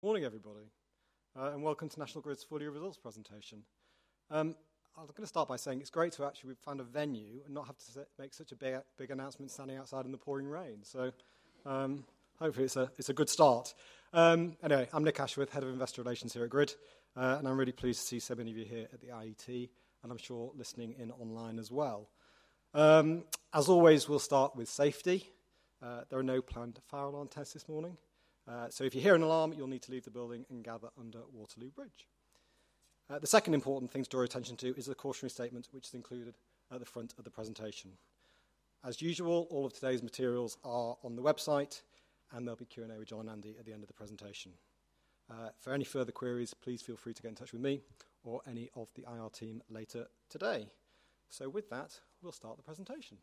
Morning, everybody, and welcome to National Grid's full-year results presentation. I'm gonna start by saying it's great to actually find a venue and not have to make such a big, big announcement standing outside in the pouring rain. So, hopefully, it's a good start. Anyway, I'm Nick Ashworth, Head of Investor Relations here at Grid, and I'm really pleased to see so many of you here at the IET, and I'm sure listening in online as well. As always, we'll start with safety. There are no planned fire alarm tests this morning, so if you hear an alarm, you'll need to leave the building and gather under Waterloo Bridge. The second important thing to draw attention to is the cautionary statement, which is included at the front of the presentation. As usual, all of today's materials are on the website, and there'll be Q&A with John and Andy at the end of the presentation. For any further queries, please feel free to get in touch with me or any of the IR team later today. With that, we'll start the presentation.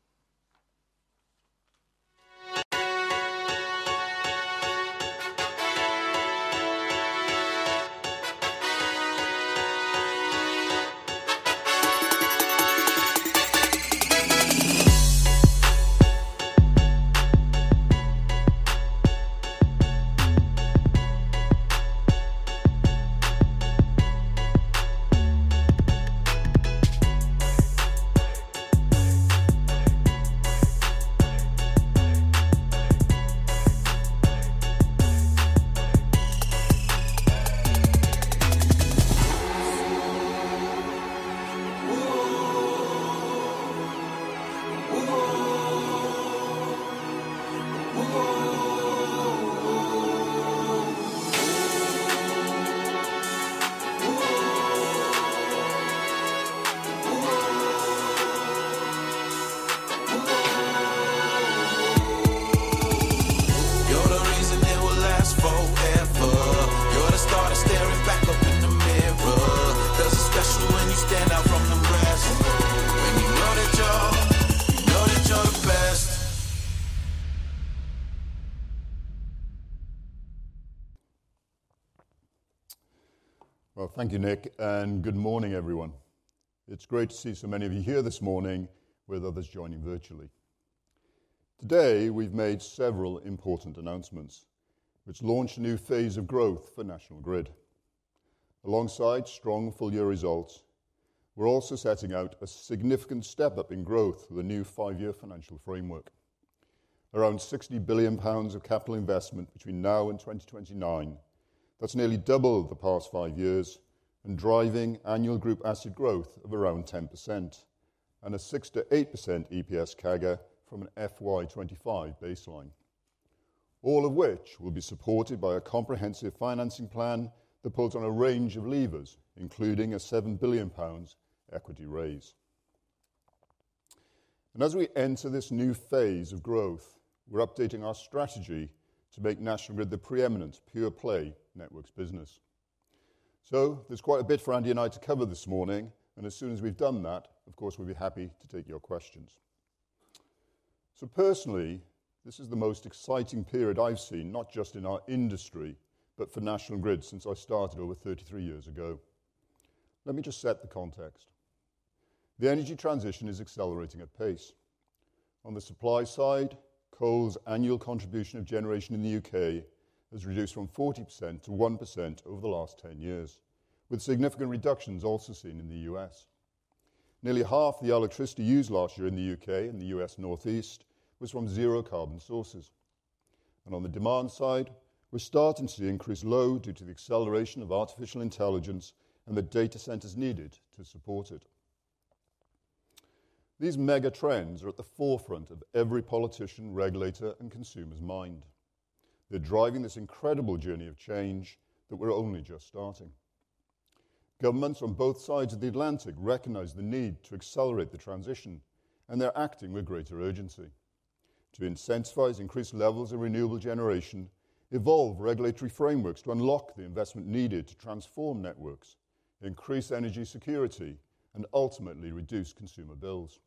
Well, thank you, Nick, and good morning, everyone. It's great to see so many of you here this morning with others joining virtually. Today, we've made several important announcements, which launch a new phase of growth for National Grid. Alongside strong full-year results, we're also setting out a significant step-up in growth with a new 5-year financial framework. Around 60 billion pounds of capital investment between now and 2029. That's nearly double the past 5 years and driving annual group asset growth of around 10% and a 6%-8% EPS CAGR from an FY25 baseline. All of which will be supported by a comprehensive financing plan that pulls on a range of levers, including a 7 billion pounds equity raise. And as we enter this new phase of growth, we're updating our strategy to make National Grid the preeminent pure-play networks business. So there's quite a bit for Andy and I to cover this morning, and as soon as we've done that, of course, we'll be happy to take your questions. So personally, this is the most exciting period I've seen, not just in our industry, but for National Grid since I started over 33 years ago. Let me just set the context. The energy transition is accelerating at pace. On the supply side, coal's annual contribution of generation in the U.K. has reduced from 40% to 1% over the last 10 years, with significant reductions also seen in the U.S. Nearly half the electricity used last year in the U.K. and the U.S. Northeast was from zero carbon sources. And on the demand side, we're starting to see increased load due to the acceleration of artificial intelligence and the data centers needed to support it. These mega trends are at the forefront of every politician, regulator, and consumer's mind. They're driving this incredible journey of change that we're only just starting. Governments on both sides of the Atlantic recognize the need to accelerate the transition, and they're acting with greater urgency to incentivize increased levels of renewable generation, evolve regulatory frameworks to unlock the investment needed to transform networks, increase energy security, and ultimately reduce consumer bills.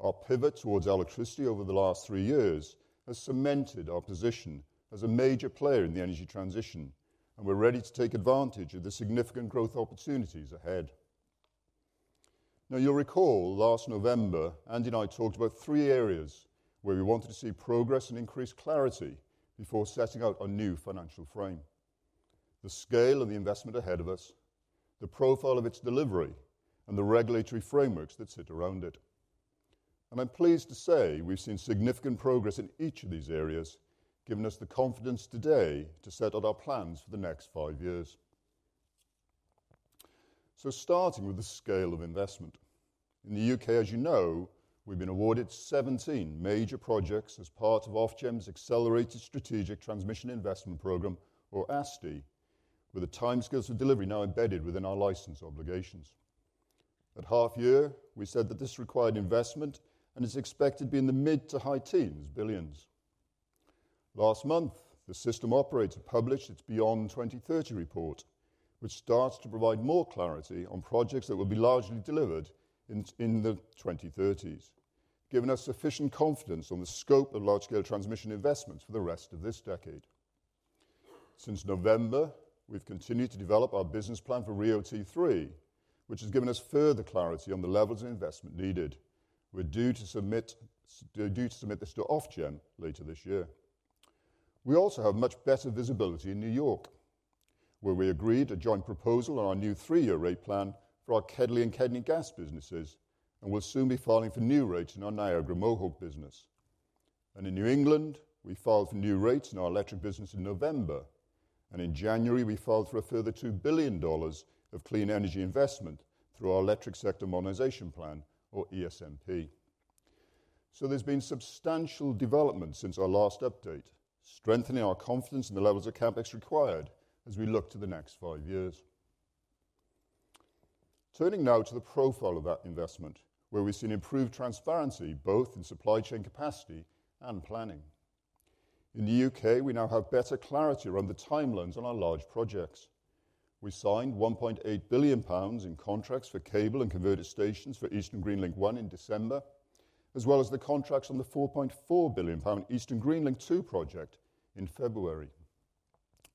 Our pivot towards electricity over the last three years has cemented our position as a major player in the energy transition, and we're ready to take advantage of the significant growth opportunities ahead. Now, you'll recall last November, Andy and I talked about three areas where we wanted to see progress and increased clarity before setting out a new financial frame: the scale of the investment ahead of us, the profile of its delivery, and the regulatory frameworks that sit around it. And I'm pleased to say we've seen significant progress in each of these areas, giving us the confidence today to set out our plans for the next five years. So starting with the scale of investment. In the U.K., as you know, we've been awarded 17 major projects as part of Ofgem's Accelerated Strategic Transmission Investment program, or ASTI, with the time scales for delivery now embedded within our license obligations. At half year, we said that this required investment and is expected to be in the mid- to high-teens billions. Last month, the system operator published its Beyond 2030 report, which starts to provide more clarity on projects that will be largely delivered in the 2030s, giving us sufficient confidence on the scope of large-scale transmission investments for the rest of this decade. Since November, we've continued to develop our business plan for RIIO-T3, which has given us further clarity on the levels of investment needed.... We're due to submit this to Ofgem later this year. We also have much better visibility in New York, where we agreed a joint proposal on our new three-year rate plan for our KEDLI and KEDNY gas businesses, and we'll soon be filing for new rates in our Niagara Mohawk business. In New England, we filed for new rates in our electric business in November, and in January, we filed for a further $2 billion of clean energy investment through our Electric Sector Modernization Plan, or ESMP. There's been substantial development since our last update, strengthening our confidence in the levels of CapEx required as we look to the next five years. Turning now to the profile of that investment, where we've seen improved transparency, both in supply chain capacity and planning. In the UK, we now have better clarity around the timelines on our large projects. We signed 1.8 billion pounds in contracts for cable and converter stations for Eastern Green Link 1 in December, as well as the contracts on the 4.4 billion pound Eastern Green Link 2 project in February.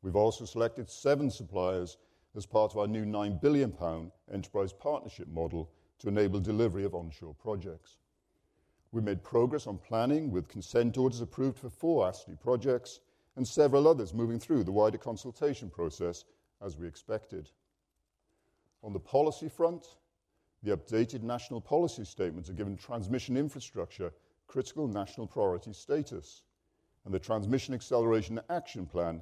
We've also selected seven suppliers as part of our new 9 billion pound Enterprise Partnership Model to enable delivery of onshore projects. We made progress on planning, with consent orders approved for four ASTI projects and several others moving through the wider consultation process, as we expected. On the policy front, the updated National Policy Statements are giving transmission infrastructure critical national priority status, and the Transmission Acceleration Action Plan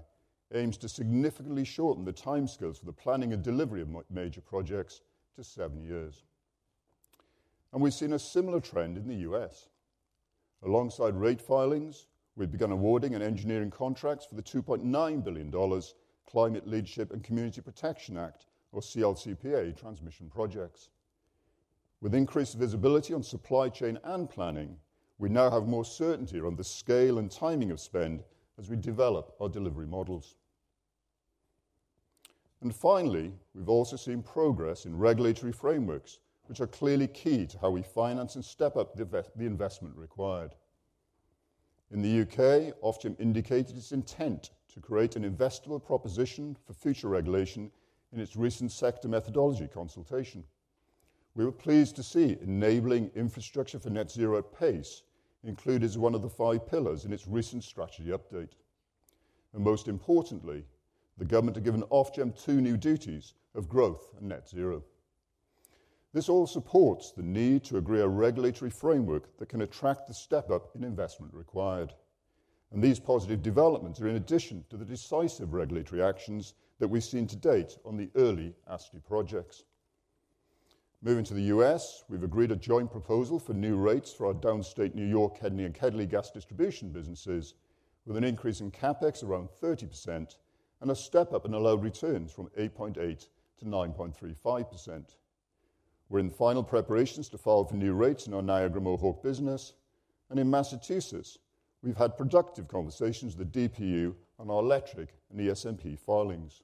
aims to significantly shorten the timescales for the planning and delivery of major projects to seven years. And we've seen a similar trend in the U.S. Alongside rate filings, we've begun awarding and engineering contracts for the $2.9 billion Climate Leadership and Community Protection Act, or CLCPA, transmission projects. With increased visibility on supply chain and planning, we now have more certainty around the scale and timing of spend as we develop our delivery models. And finally, we've also seen progress in regulatory frameworks, which are clearly key to how we finance and step up the investment required. In the UK, Ofgem indicated its intent to create an investable proposition for future regulation in its recent Sector Methodology Consultation. We were pleased to see enabling infrastructure for net zero pace included as one of the five pillars in its recent strategy update. And most importantly, the government have given Ofgem two new duties of growth and net zero. This all supports the need to agree a regulatory framework that can attract the step-up in investment required, and these positive developments are in addition to the decisive regulatory actions that we've seen to date on the early ASTI projects. Moving to the US, we've agreed a joint proposal for new rates for our downstate New York, KEDNY, and KEDLI gas distribution businesses, with an increase in CapEx around 30% and a step-up in allowed returns from 8.8% to 9.35%. We're in final preparations to file for new rates in our Niagara Mohawk business, and in Massachusetts, we've had productive conversations with the DPU on our electric and ESMP filings.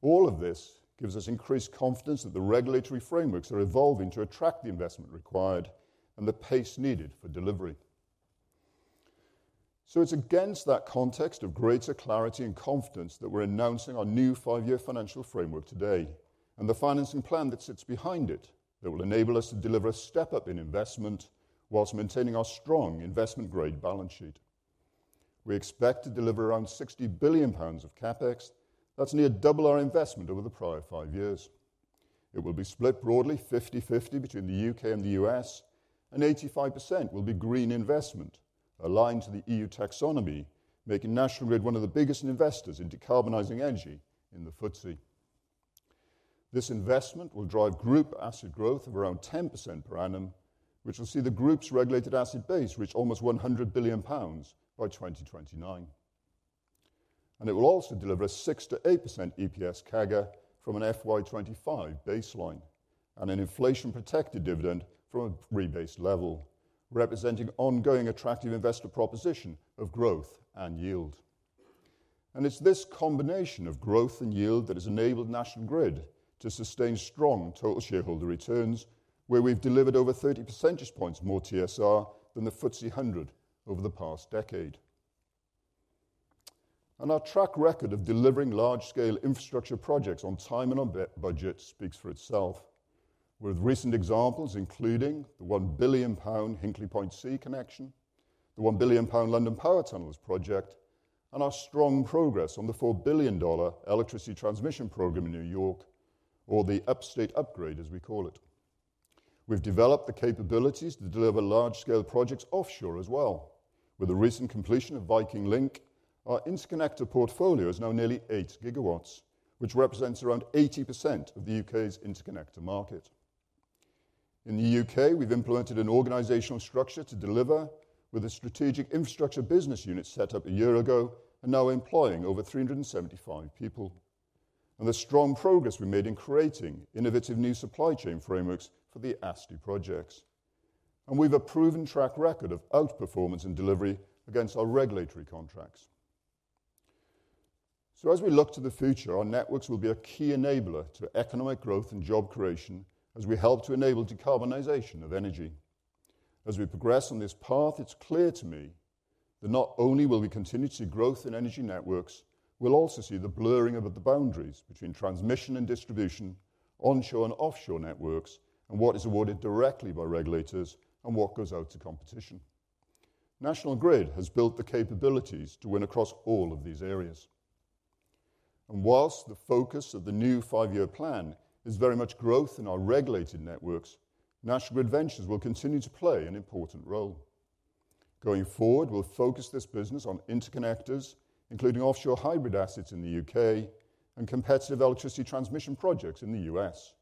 All of this gives us increased confidence that the regulatory frameworks are evolving to attract the investment required and the pace needed for delivery. So it's against that context of greater clarity and confidence that we're announcing our new five-year financial framework today, and the financing plan that sits behind it, that will enable us to deliver a step-up in investment whilst maintaining our strong investment-grade balance sheet. We expect to deliver around 60 billion pounds of CapEx. That's near double our investment over the prior 5 years. It will be split broadly 50/50 between the UK and the US, and 85% will be green investment aligned to the EU Taxonomy, making National Grid one of the biggest investors in decarbonizing energy in the FTSE. This investment will drive group asset growth of around 10% per annum, which will see the group's regulated asset base reach almost 100 billion pounds by 2029. And it will also deliver a 6%-8% EPS CAGR from an FY25 baseline and an inflation-protected dividend from a rebased level, representing ongoing attractive investor proposition of growth and yield. It's this combination of growth and yield that has enabled National Grid to sustain strong total shareholder returns, where we've delivered over 30 percentage points more TSR than the FTSE 100 over the past decade. Our track record of delivering large-scale infrastructure projects on time and on budget speaks for itself, with recent examples including the 1 billion pound Hinkley Point C connection, the 1 billion pound London Power Tunnels project, and our strong progress on the $4 billion electricity transmission program in New York, or the Upstate Upgrade, as we call it. We've developed the capabilities to deliver large-scale projects offshore as well. With the recent completion of Viking Link, our interconnector portfolio is now nearly 8 gigawatts, which represents around 80% of the UK's interconnector market. In the UK, we've implemented an organizational structure to deliver with a Strategic Infrastructure business unit set up a year ago and now employing over 375 people, and the strong progress we made in creating innovative new supply chain frameworks for the ASTI projects. And we've a proven track record of outperformance and delivery against our regulatory contracts. So as we look to the future, our networks will be a key enabler to economic growth and job creation as we help to enable decarbonization of energy. As we progress on this path, it's clear to me that not only will we continue to see growth in energy networks, we'll also see the blurring of the boundaries between transmission and distribution, onshore and offshore networks, and what is awarded directly by regulators and what goes out to competition. National Grid has built the capabilities to win across all of these areas. While the focus of the new five-year plan is very much growth in our regulated networks, National Grid Ventures will continue to play an important role. Going forward, we'll focus this business on interconnectors, including offshore hybrid assets in the U.K. and competitive electricity transmission projects in the U.S.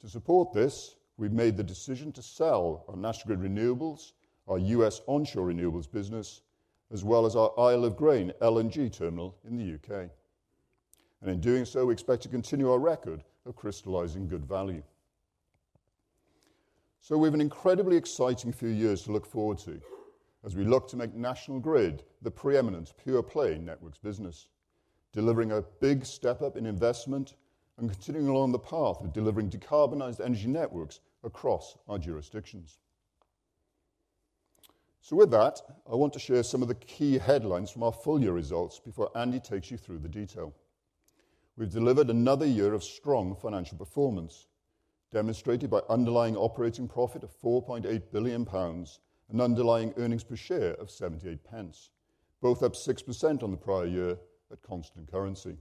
To support this, we've made the decision to sell our National Grid Renewables, our U.S. onshore renewables business, as well as our Isle of Grain LNG terminal in the U.K. In doing so, we expect to continue our record of crystallizing good value. We have an incredibly exciting few years to look forward to as we look to make National Grid the preeminent pure-play networks business, delivering a big step up in investment and continuing along the path of delivering decarbonized energy networks across our jurisdictions. With that, I want to share some of the key headlines from our full-year results before Andy takes you through the detail. We've delivered another year of strong financial performance, demonstrated by underlying operating profit of 4.8 billion pounds and underlying earnings per share of 0.78, both up 6% on the prior year at constant currency.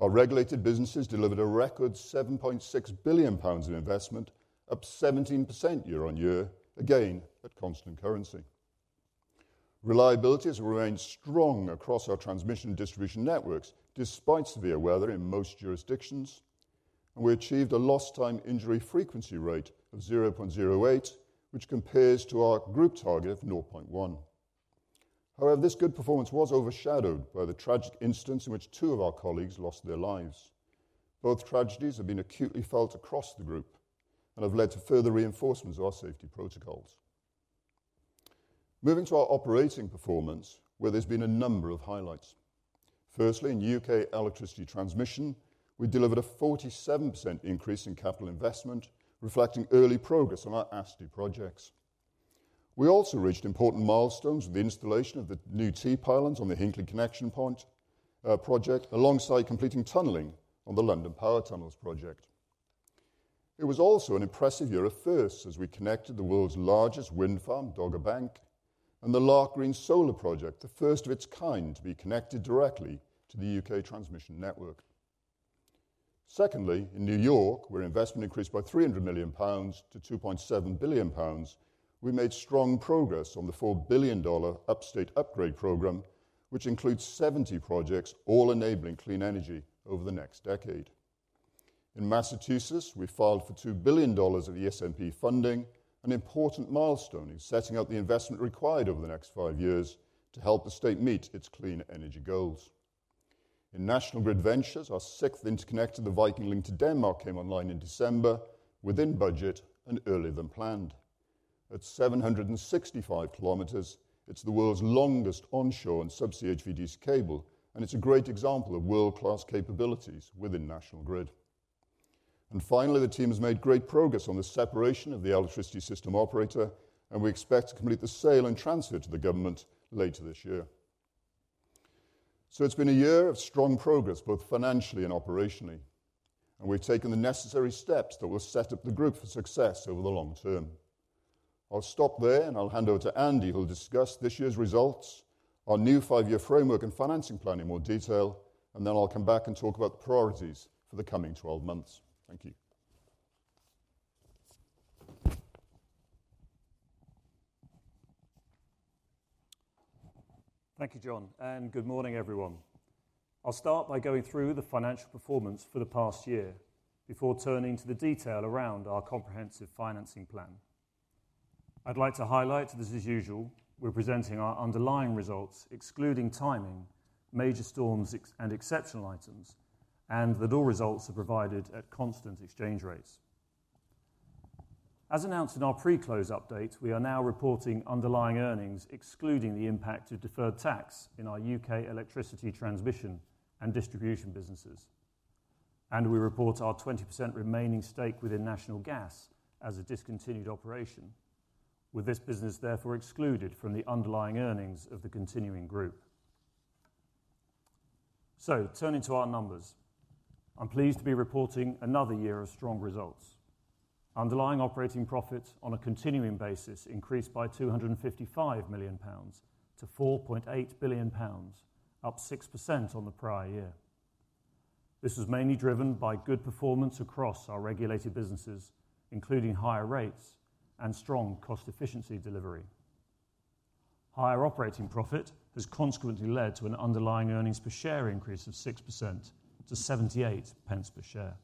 Our regulated businesses delivered a record 7.6 billion pounds of investment, up 17% year-on-year, again, at constant currency. Reliability has remained strong across our transmission and distribution networks, despite severe weather in most jurisdictions, and we achieved a lost time injury frequency rate of 0.08, which compares to our group target of 0.1. However, this good performance was overshadowed by the tragic incidents in which two of our colleagues lost their lives. Both tragedies have been acutely felt across the group and have led to further reinforcements of our safety protocols. Moving to our operating performance, where there's been a number of highlights. Firstly, in UK Electricity Transmission, we delivered a 47% increase in capital investment, reflecting early progress on our ASTI projects. We also reached important milestones with the installation of the new T-pylons on the Hinkley Connection Project, alongside completing tunneling on the London Power Tunnels project. It was also an impressive year of firsts as we connected the world's largest wind farm, Dogger Bank, and the Larks Green Solar Project, the first of its kind to be connected directly to the UK transmission network. Secondly, in New York, where investment increased by 300 million pounds to 2.7 billion pounds, we made strong progress on the $4 billion Upstate Upgrade program, which includes 70 projects, all enabling clean energy over the next decade. In Massachusetts, we filed for $2 billion of ESMP funding, an important milestone in setting out the investment required over the next five years to help the state meet its clean energy goals. In National Grid Ventures, our sixth interconnector, the Viking Link to Denmark, came online in December, within budget and earlier than planned. At 765 kilometers, it's the world's longest onshore and sub-sea HVDC cable, and it's a great example of world-class capabilities within National Grid. Finally, the team has made great progress on the separation of the Electricity System Operator, and we expect to complete the sale and transfer to the government later this year. It's been a year of strong progress, both financially and operationally, and we've taken the necessary steps that will set up the group for success over the long term. I'll stop there, and I'll hand over to Andy, who will discuss this year's results, our new five-year framework and financing plan in more detail, and then I'll come back and talk about the priorities for the coming 12 months. Thank you. Thank you, John, and good morning, everyone. I'll start by going through the financial performance for the past year before turning to the detail around our comprehensive financing plan. I'd like to highlight that as usual, we're presenting our underlying results, excluding timing, major storms, FX, and exceptional items, and that all results are provided at constant exchange rates. As announced in our pre-close update, we are now reporting underlying earnings, excluding the impact of deferred tax in our U.K. electricity transmission and distribution businesses. We report our 20% remaining stake within National Gas as a discontinued operation, with this business therefore excluded from the underlying earnings of the continuing group. Turning to our numbers, I'm pleased to be reporting another year of strong results. Underlying operating profit on a continuing basis increased by 255 million pounds to 4.8 billion pounds, up 6% on the prior year. This was mainly driven by good performance across our regulated businesses, including higher rates and strong cost-efficiency delivery. Higher operating profit has consequently led to an underlying earnings per share increase of 6% to 78 pence per share.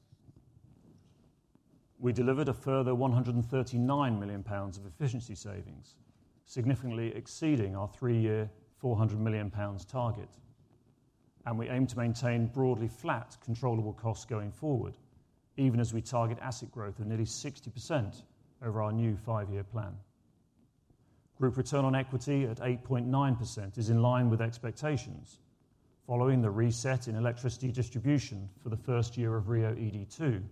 We delivered a further 139 million pounds of efficiency savings, significantly exceeding our three-year, 400 million pounds target. And we aim to maintain broadly flat, controllable costs going forward, even as we target asset growth of nearly 60% over our new five-year plan. Group return on equity at 8.9% is in line with expectations following the reset in electricity distribution for the first year of RIIO-ED2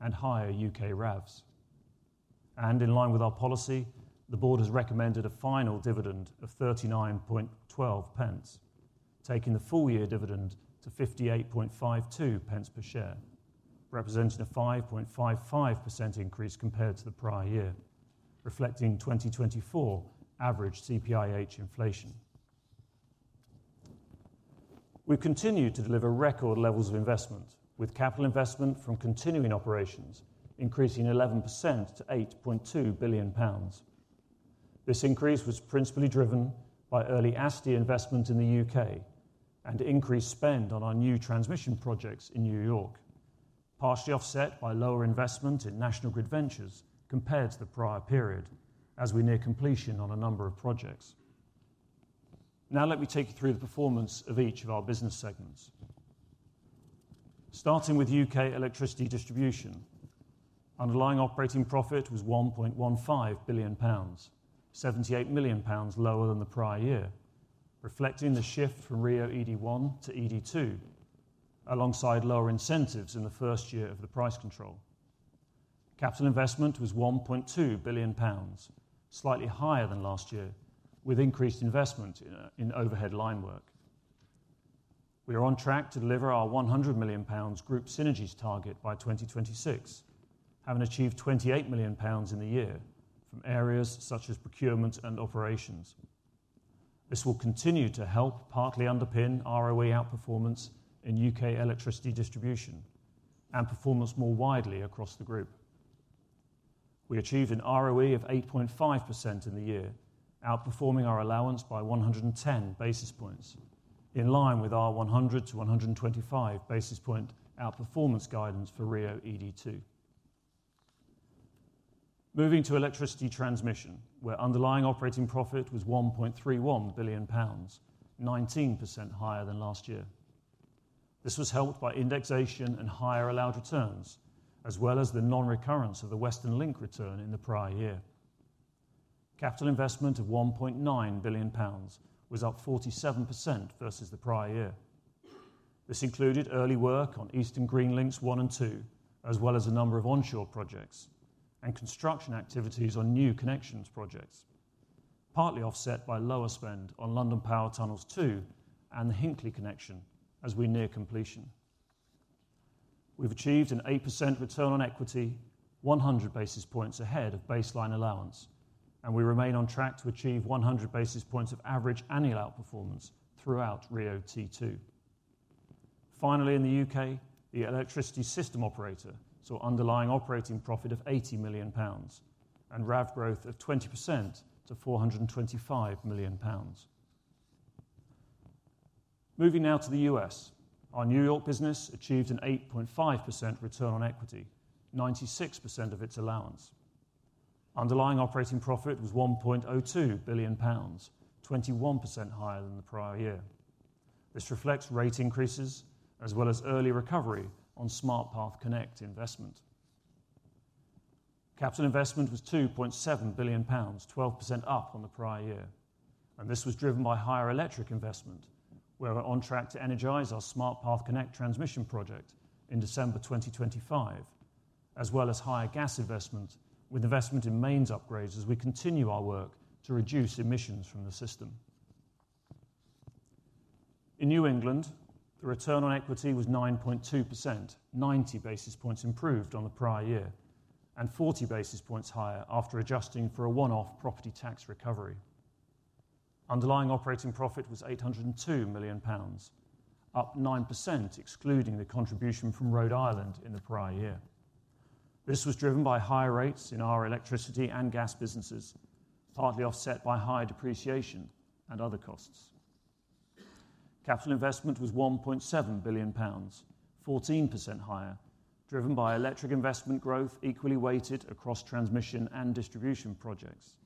and higher UK RAVs. In line with our policy, the board has recommended a final dividend of 0.3912, taking the full-year dividend to 0.5852 per share, representing a 5.55% increase compared to the prior year, reflecting 2024 average CPIH inflation. We've continued to deliver record levels of investment, with capital investment from continuing operations increasing 11% to 8.2 billion pounds. This increase was principally driven by early ASTI investment in the U.K. and increased spend on our new transmission projects in New York, partially offset by lower investment in National Grid Ventures compared to the prior period as we near completion on a number of projects. Now, let me take you through the performance of each of our business segments. Starting with UK Electricity Distribution. Underlying operating profit was 1.15 billion pounds, 78 million pounds lower than the prior year, reflecting the shift from RIIO-ED1 to RIIO-ED2, alongside lower incentives in the first year of the price control. Capital investment was 1.2 billion pounds, slightly higher than last year, with increased investment in, in overhead line work. We are on track to deliver our 100 million pounds group synergies target by 2026, having achieved 28 million pounds in the year from areas such as procurement and operations. This will continue to help partly underpin ROE outperformance in UK electricity distribution and performance more widely across the group. We achieved an ROE of 8.5% in the year, outperforming our allowance by 110 basis points, in line with our 100-125 basis point outperformance guidance for RIIO-ED2. Moving to Electricity Transmission, where underlying operating profit was 1.31 billion pounds, 19% higher than last year. This was helped by indexation and higher allowed returns, as well as the non-recurrence of the Western Link return in the prior year. Capital investment of 1.9 billion pounds was up 47% versus the prior year. This included early work on Eastern Green Links 1 and 2, as well as a number of onshore projects and construction activities on new connections projects, partly offset by lower spend on London Power Tunnels 2 and the Hinkley Connection as we near completion. We've achieved an 8% return on equity, 100 basis points ahead of baseline allowance, and we remain on track to achieve 100 basis points of average annual outperformance throughout RIIO-T2. Finally, in the UK, the Electricity System Operator saw underlying operating profit of 80 million pounds and RAV growth of 20% to 425 million pounds. Moving now to the US. Our New York business achieved an 8.5% return on equity, 96% of its allowance. Underlying operating profit was 1.02 billion pounds, 21% higher than the prior year. This reflects rate increases as well as early recovery on Smart Path Connect investment. Capital investment was 2.7 billion pounds, 12% up on the prior year, and this was driven by higher electric investment. We are on track to energize our Smart Path Connect transmission project in December 2025, as well as higher gas investment, with investment in mains upgrades as we continue our work to reduce emissions from the system. In New England, the return on equity was 9.2%, 90 basis points improved on the prior year, and 40 basis points higher after adjusting for a one-off property tax recovery. Underlying operating profit was 802 million pounds, up 9%, excluding the contribution from Rhode Island in the prior year. This was driven by higher rates in our electricity and gas businesses, partly offset by higher depreciation and other costs. Capital investment was 1.7 billion pounds, 14% higher, driven by electric investment growth equally weighted across transmission and distribution projects,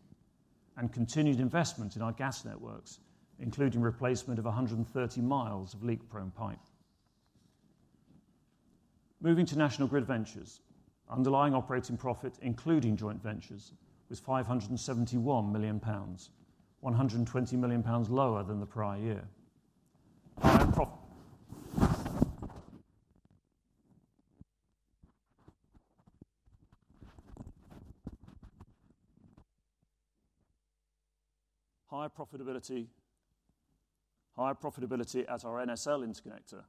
and continued investment in our gas networks, including replacement of 130 miles of leak-prone pipe. Moving to National Grid Ventures. Underlying operating profit, including joint ventures, was 571 million pounds, 120 million pounds lower than the prior year. Higher profitability at our NSL interconnector,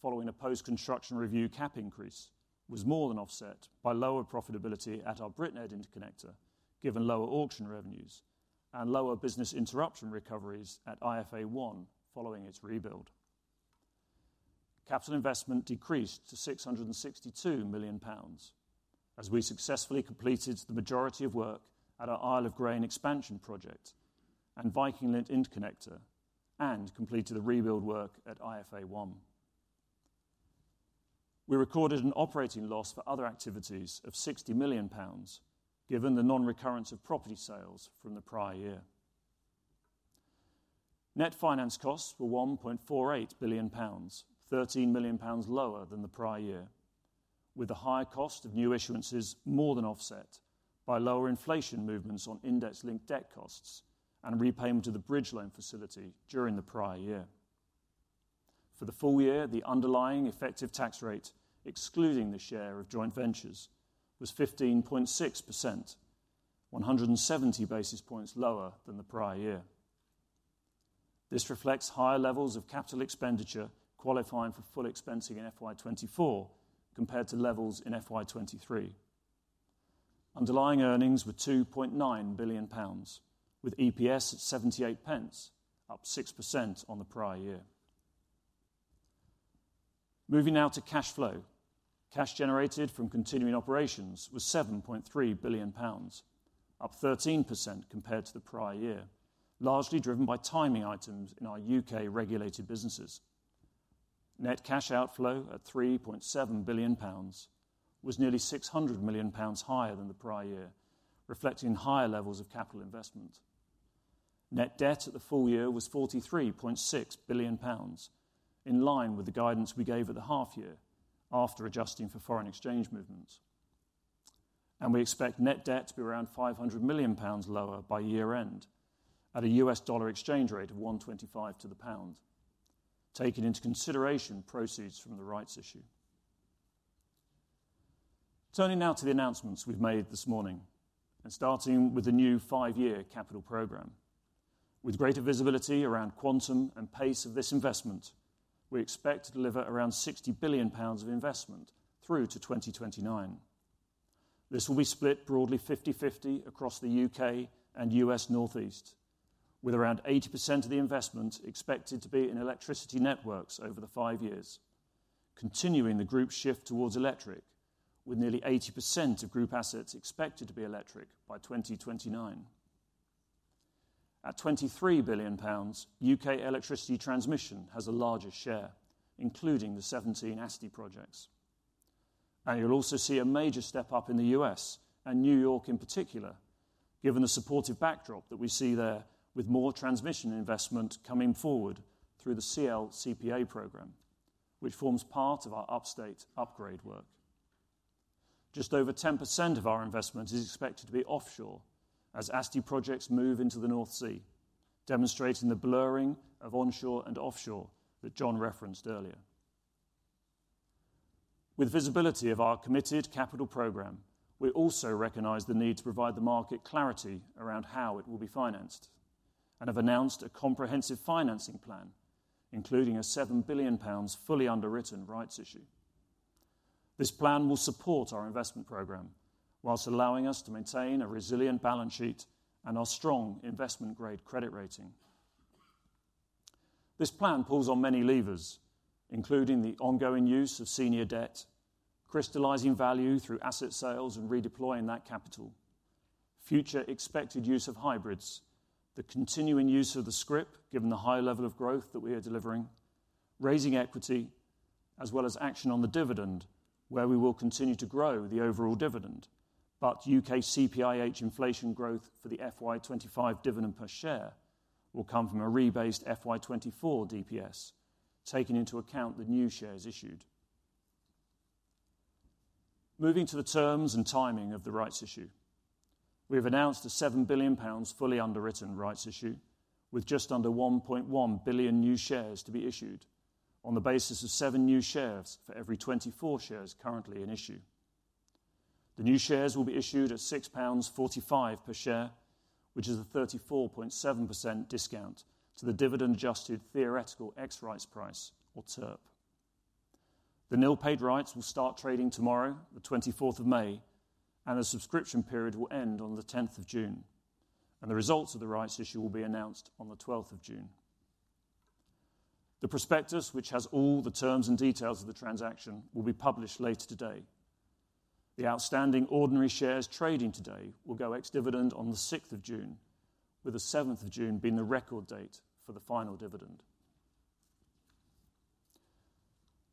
following a post-construction review cap increase, was more than offset by lower profitability at our BritNed interconnector, given lower auction revenues and lower business interruption recoveries at IFA1 following its rebuild. Capital investment decreased to 662 million pounds as we successfully completed the majority of work at our Isle of Grain expansion project and Viking Link interconnector, and completed the rebuild work at IFA1. We recorded an operating loss for other activities of 60 million pounds, given the non-recurrence of property sales from the prior year. Net finance costs were 1.48 billion pounds, 13 million pounds lower than the prior year, with the higher cost of new issuances more than offset by lower inflation movements on index-linked debt costs and repayment to the bridge loan facility during the prior year. For the full year, the underlying effective tax rate, excluding the share of joint ventures, was 15.6%, 170 basis points lower than the prior year. This reflects higher levels of capital expenditure qualifying for full expensing in FY 2024 compared to levels in FY 2023. Underlying earnings were 2.9 billion pounds, with EPS at 78 pence, up 6% on the prior year. Moving now to cash flow. Cash generated from continuing operations was 7.3 billion pounds, up 13% compared to the prior year, largely driven by timing items in our UK regulated businesses. Net cash outflow at 3.7 billion pounds was nearly 600 million pounds higher than the prior year, reflecting higher levels of capital investment. Net debt at the full year was 43.6 billion pounds, in line with the guidance we gave at the half year after adjusting for foreign exchange movements. We expect net debt to be around 500 million pounds lower by year-end at a US dollar exchange rate of 1.25 to the pound, taking into consideration proceeds from the rights issue. Turning now to the announcements we've made this morning, and starting with the new five-year capital program. With greater visibility around quantum and pace of this investment, we expect to deliver around 60 billion pounds of investment through to 2029. This will be split broadly 50/50 across the U.K. and U.S. Northeast, with around 80% of the investment expected to be in electricity networks over the 5 years, continuing the group's shift towards electric, with nearly 80% of group assets expected to be electric by 2029. At 23 billion pounds, U.K. electricity transmission has the largest share, including the 17 ASTI projects. You'll also see a major step up in the U.S. and New York in particular, given the supportive backdrop that we see there, with more transmission investment coming forward through the CLCPA program, which forms part of our Upstate Upgrade work. Just over 10% of our investment is expected to be offshore as ASTI projects move into the North Sea, demonstrating the blurring of onshore and offshore that John referenced earlier. With visibility of our committed capital program, we also recognize the need to provide the market clarity around how it will be financed and have announced a comprehensive financing plan, including a 7 billion pounds fully underwritten rights issue. This plan will support our investment program whilst allowing us to maintain a resilient balance sheet and our strong investment-grade credit rating. This plan pulls on many levers, including the ongoing use of senior debt, crystallizing value through asset sales and redeploying that capital, future expected use of hybrids, the continuing use of the scrip, given the high level of growth that we are delivering, raising equity, as well as action on the dividend, where we will continue to grow the overall dividend. But UK CPIH inflation growth for the FY 25 dividend per share will come from a rebased FY 24 DPS, taking into account the new shares issued. Moving to the terms and timing of the rights issue. We have announced a 7 billion pounds fully underwritten rights issue, with just under 1.1 billion new shares to be issued on the basis of 7 new shares for every 24 shares currently in issue. The new shares will be issued at 6.45 pounds per share, which is a 34.7% discount to the dividend-adjusted theoretical ex-rights price or TERP. The nil paid rights will start trading tomorrow, the twenty-fourth of May, and the subscription period will end on the tenth of June, and the results of the rights issue will be announced on the twelfth of June. The prospectus, which has all the terms and details of the transaction, will be published later today. The outstanding ordinary shares trading today will go ex-dividend on the sixth of June, with the seventh of June being the record date for the final dividend.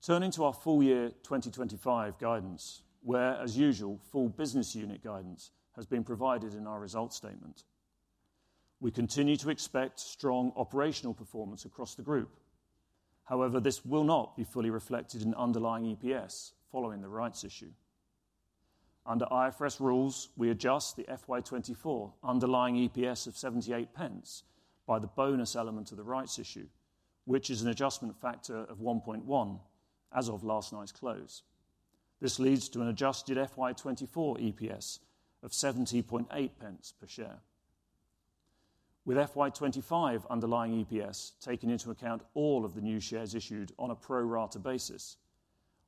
Turning to our full year 2025 guidance, where, as usual, full business unit guidance has been provided in our results statement. We continue to expect strong operational performance across the group. However, this will not be fully reflected in underlying EPS following the rights issue. Under IFRS rules, we adjust the FY 2024 underlying EPS of 0.78 by the bonus element of the rights issue, which is an adjustment factor of 1.1 as of last night's close. This leads to an adjusted FY 2024 EPS of 0.708 per share. With FY 2025 underlying EPS, taking into account all of the new shares issued on a pro-rata basis,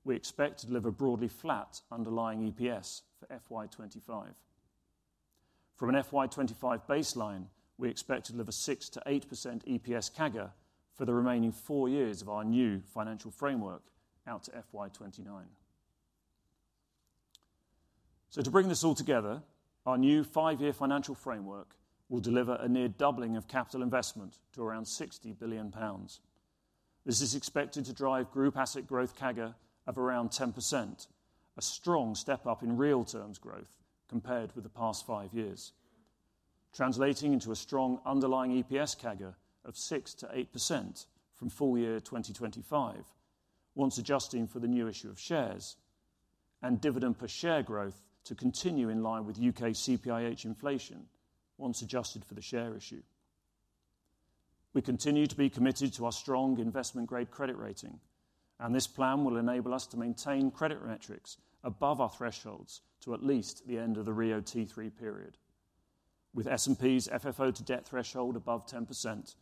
we expect to deliver broadly flat underlying EPS for FY 2025. From an FY 2025 baseline, we expect to deliver 6%-8% EPS CAGR for the remaining 4 years of our new financial framework out to FY 2029. So to bring this all together, our new 5-year financial framework will deliver a near doubling of capital investment to around 60 billion pounds. This is expected to drive group asset growth CAGR of around 10%, a strong step up in real terms growth compared with the past five years, translating into a strong underlying EPS CAGR of 6%-8% from full year 2025, once adjusting for the new issue of shares, and dividend per share growth to continue in line with UK CPIH inflation, once adjusted for the share issue. We continue to be committed to our strong investment-grade credit rating, and this plan will enable us to maintain credit metrics above our thresholds to at least the end of the RIIO-T3 period, with S&P's FFO to debt threshold above 10%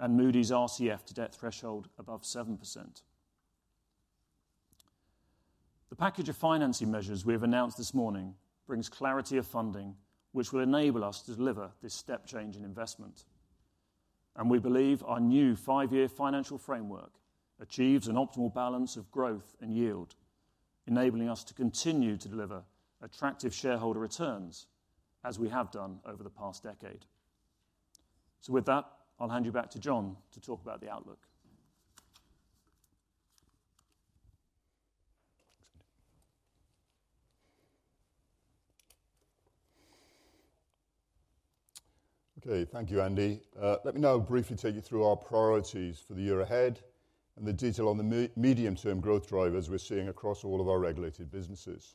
and Moody's RCF to debt threshold above 7%. The package of financing measures we have announced this morning brings clarity of funding, which will enable us to deliver this step change in investment. We believe our new five-year financial framework achieves an optimal balance of growth and yield, enabling us to continue to deliver attractive shareholder returns as we have done over the past decade. With that, I'll hand you back to John to talk about the outlook. Okay, thank you, Andy. Let me now briefly take you through our priorities for the year ahead and the detail on the medium-term growth drivers we're seeing across all of our regulated businesses.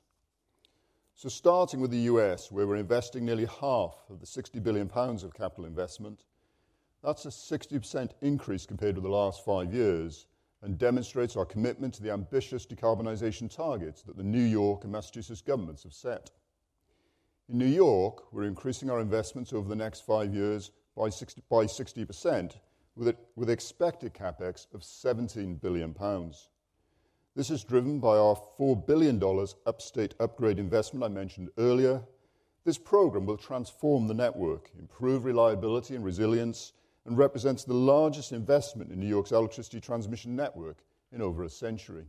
So starting with the US, where we're investing nearly half of the 60 billion pounds of capital investment, that's a 60% increase compared to the last five years and demonstrates our commitment to the ambitious decarbonization targets that the New York and Massachusetts governments have set. In New York, we're increasing our investments over the next five years by 60%, with expected CapEx of 17 billion pounds. This is driven by our $4 billion Upstate Upgrade investment I mentioned earlier. This program will transform the network, improve reliability and resilience, and represents the largest investment in New York's electricity transmission network in over a century.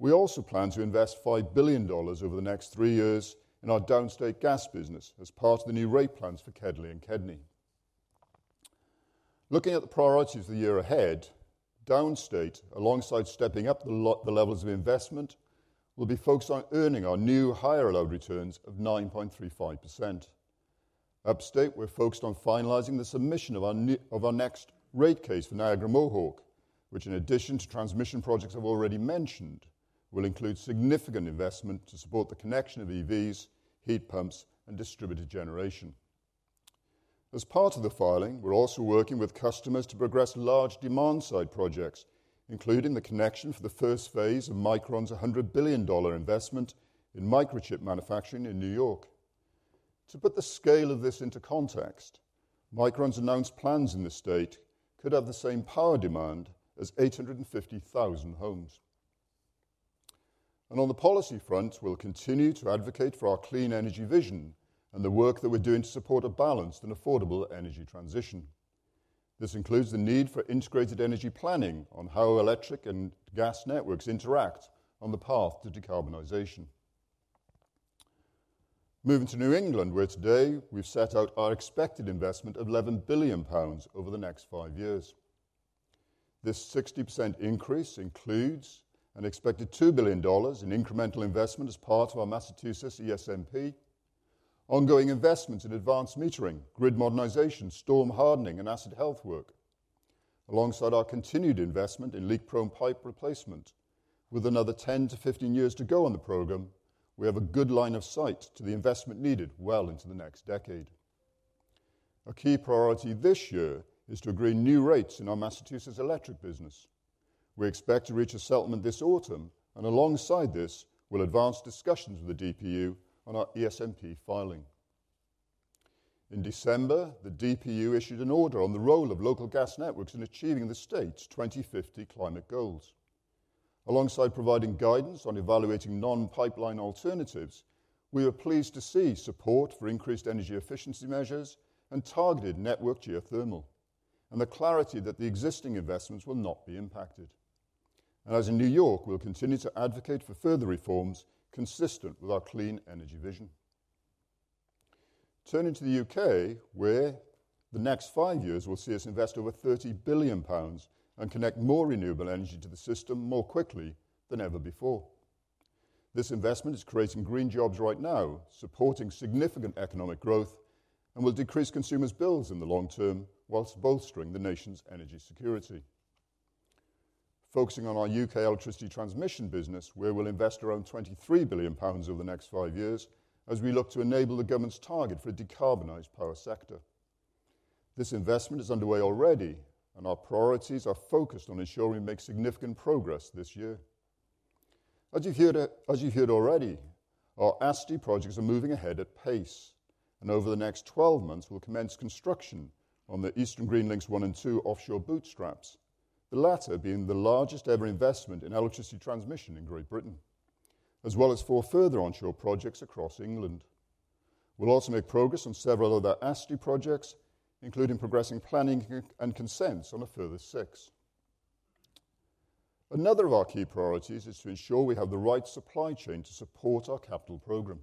We also plan to invest $5 billion over the next three years in our downstate gas business as part of the new rate plans for KEDLI and KEDNY. Looking at the priorities for the year ahead, downstate, alongside stepping up the levels of investment, will be focused on earning our new higher allowed returns of 9.35%. Upstate, we're focused on finalizing the submission of our new, of our next rate case for Niagara Mohawk, which in addition to transmission projects I've already mentioned, will include significant investment to support the connection of EVs, heat pumps, and distributed generation. As part of the filing, we're also working with customers to progress large demand-side projects, including the connection for the first phase of Micron's $100 billion investment in microchip manufacturing in New York. To put the scale of this into context, Micron's announced plans in this state could have the same power demand as 850,000 homes. On the policy front, we'll continue to advocate for our Clean Energy Vision and the work that we're doing to support a balanced and affordable energy transition. This includes the need for integrated energy planning on how electric and gas networks interact on the path to decarbonization. Moving to New England, where today we've set out our expected investment of 11 billion pounds over the next 5 years. This 60% increase includes an expected $2 billion in incremental investment as part of our Massachusetts ESMP, ongoing investments in advanced metering, grid modernization, storm hardening, and asset health work, alongside our continued investment in leak-prone pipe replacement. With another 10-15 years to go on the program, we have a good line of sight to the investment needed well into the next decade. A key priority this year is to agree new rates in our Massachusetts electric business. We expect to reach a settlement this autumn, and alongside this, we'll advance discussions with the DPU on our ESMP filing. In December, the DPU issued an order on the role of local gas networks in achieving the state's 2050 climate goals. Alongside providing guidance on evaluating non-pipeline alternatives, we are pleased to see support for increased energy efficiency measures and targeted network geothermal, and the clarity that the existing investments will not be impacted. As in New York, we'll continue to advocate for further reforms consistent with our Clean Energy Vision. Turning to the UK, where the next five years will see us invest over 30 billion pounds and connect more renewable energy to the system more quickly than ever before. This investment is creating green jobs right now, supporting significant economic growth, and will decrease consumers' bills in the long term whilst bolstering the nation's energy security. Focusing on our UK electricity transmission business, where we'll invest around 23 billion pounds over the next five years as we look to enable the government's target for a decarbonized power sector. This investment is underway already, and our priorities are focused on ensuring we make significant progress this year. As you heard, as you heard already, our ASTI projects are moving ahead at pace, and over the next 12 months, we'll commence construction on the Eastern Green Link 1 and 2 offshore bootstraps, the latter being the largest ever investment in electricity transmission in Great Britain, as well as 4 further onshore projects across England. We'll also make progress on several other ASTI projects, including progressing planning and consents on a further 6. Another of our key priorities is to ensure we have the right supply chain to support our capital program.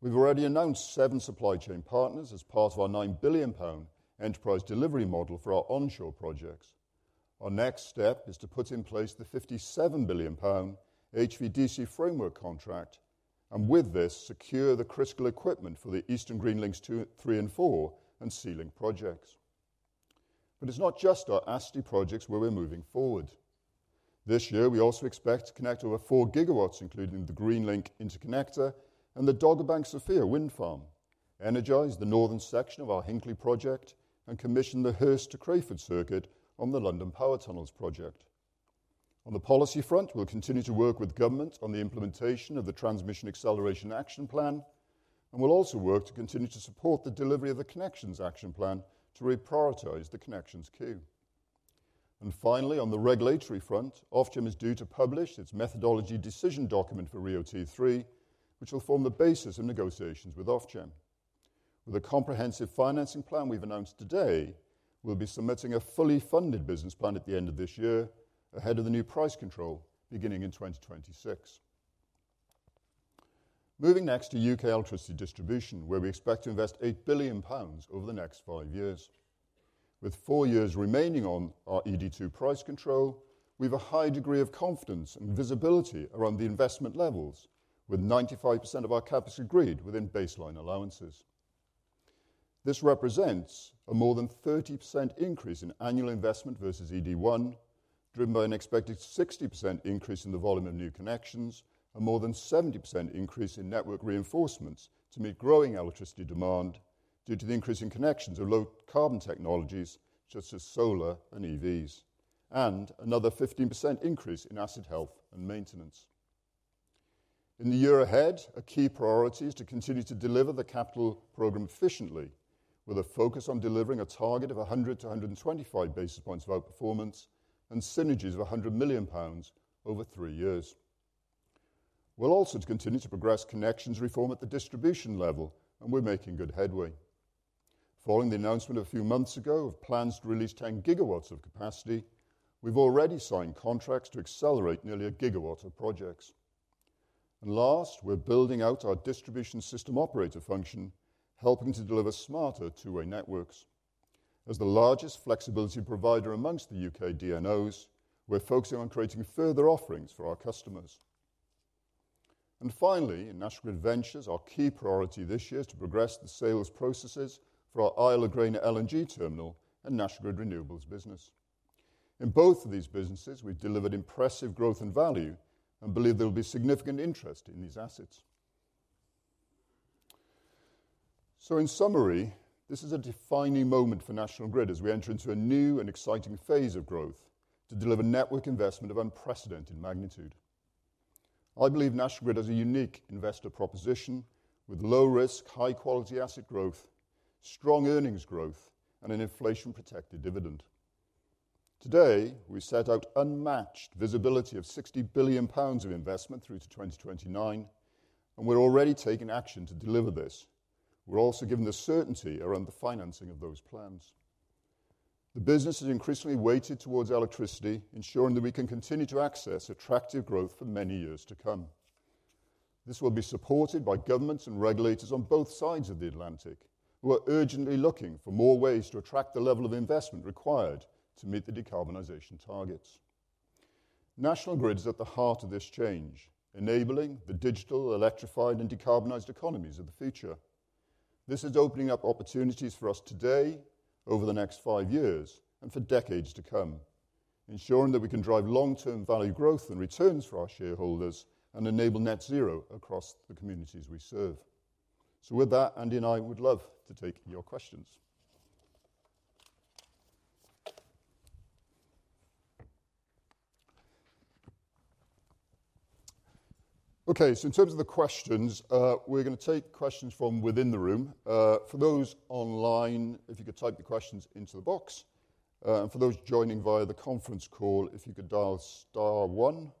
We've already announced 7 supply chain partners as part of our 9 billion pound enterprise delivery model for our onshore projects. Our next step is to put in place the 5-7 billion pound HVDC framework contract, and with this, secure the critical equipment for the Eastern Green Link 2, 3, and 4, and Sea Link projects. But it's not just our ASTI projects where we're moving forward. This year, we also expect to connect over four gigawatts, including the Greenlink Interconnector and the Dogger Bank, Sofia Wind Farm, energize the northern section of our Hinkley project, and commission the Hurst to Crayford circuit on the London Power Tunnels project. On the policy front, we'll continue to work with government on the implementation of the Transmission Acceleration Action Plan, and we'll also work to continue to support the delivery of the Connections Action Plan to reprioritize the connections queue. And finally, on the regulatory front, Ofgem is due to publish its methodology decision document for RIIO-T3, which will form the basis of negotiations with Ofgem. With a comprehensive financing plan we've announced today, we'll be submitting a fully funded business plan at the end of this year, ahead of the new price control, beginning in 2026. Moving next to UK electricity distribution, where we expect to invest 8 billion pounds over the next five years. With four years remaining on our ED2 price control, we've a high degree of confidence and visibility around the investment levels, with 95% of our CapEx agreed within baseline allowances. This represents a more than 30% increase in annual investment versus ED1, driven by an expected 60% increase in the volume of new connections, a more than 70% increase in network reinforcements to meet growing electricity demand due to the increase in connections of low-carbon technologies such as solar and EVs, and another 15% increase in asset health and maintenance. In the year ahead, a key priority is to continue to deliver the capital program efficiently, with a focus on delivering a target of 100-125 basis points of outperformance and synergies of 100 million pounds over three years. We'll also continue to progress connections reform at the distribution level, and we're making good headway. Following the announcement a few months ago of plans to release 10 GW of capacity, we've already signed contracts to accelerate nearly 1 GW of projects. And last, we're building out our distribution system operator function, helping to deliver smarter two-way networks. As the largest flexibility provider amongst the UK DNOs, we're focusing on creating further offerings for our customers. Finally, in National Grid Ventures, our key priority this year is to progress the sales processes for our Isle of Grain LNG terminal and National Grid Renewables business. In both of these businesses, we've delivered impressive growth and value and believe there will be significant interest in these assets. In summary, this is a defining moment for National Grid as we enter into a new and exciting phase of growth to deliver network investment of unprecedented magnitude. I believe National Grid has a unique investor proposition with low risk, high-quality asset growth, strong earnings growth, and an inflation-protected dividend. Today, we set out unmatched visibility of 60 billion pounds of investment through to 2029, and we're already taking action to deliver this. We're also given the certainty around the financing of those plans. The business is increasingly weighted towards electricity, ensuring that we can continue to access attractive growth for many years to come. This will be supported by governments and regulators on both sides of the Atlantic, who are urgently looking for more ways to attract the level of investment required to meet the decarbonization targets. National Grid is at the heart of this change, enabling the digital, electrified, and decarbonized economies of the future. This is opening up opportunities for us today, over the next five years, and for decades to come, ensuring that we can drive long-term value growth and returns for our shareholders and enable net zero across the communities we serve. So with that, Andy and I would love to take your questions. Okay, so in terms of the questions, we're gonna take questions from within the room. For those online, if you could type the questions into the box, and for those joining via the conference call, if you could dial star one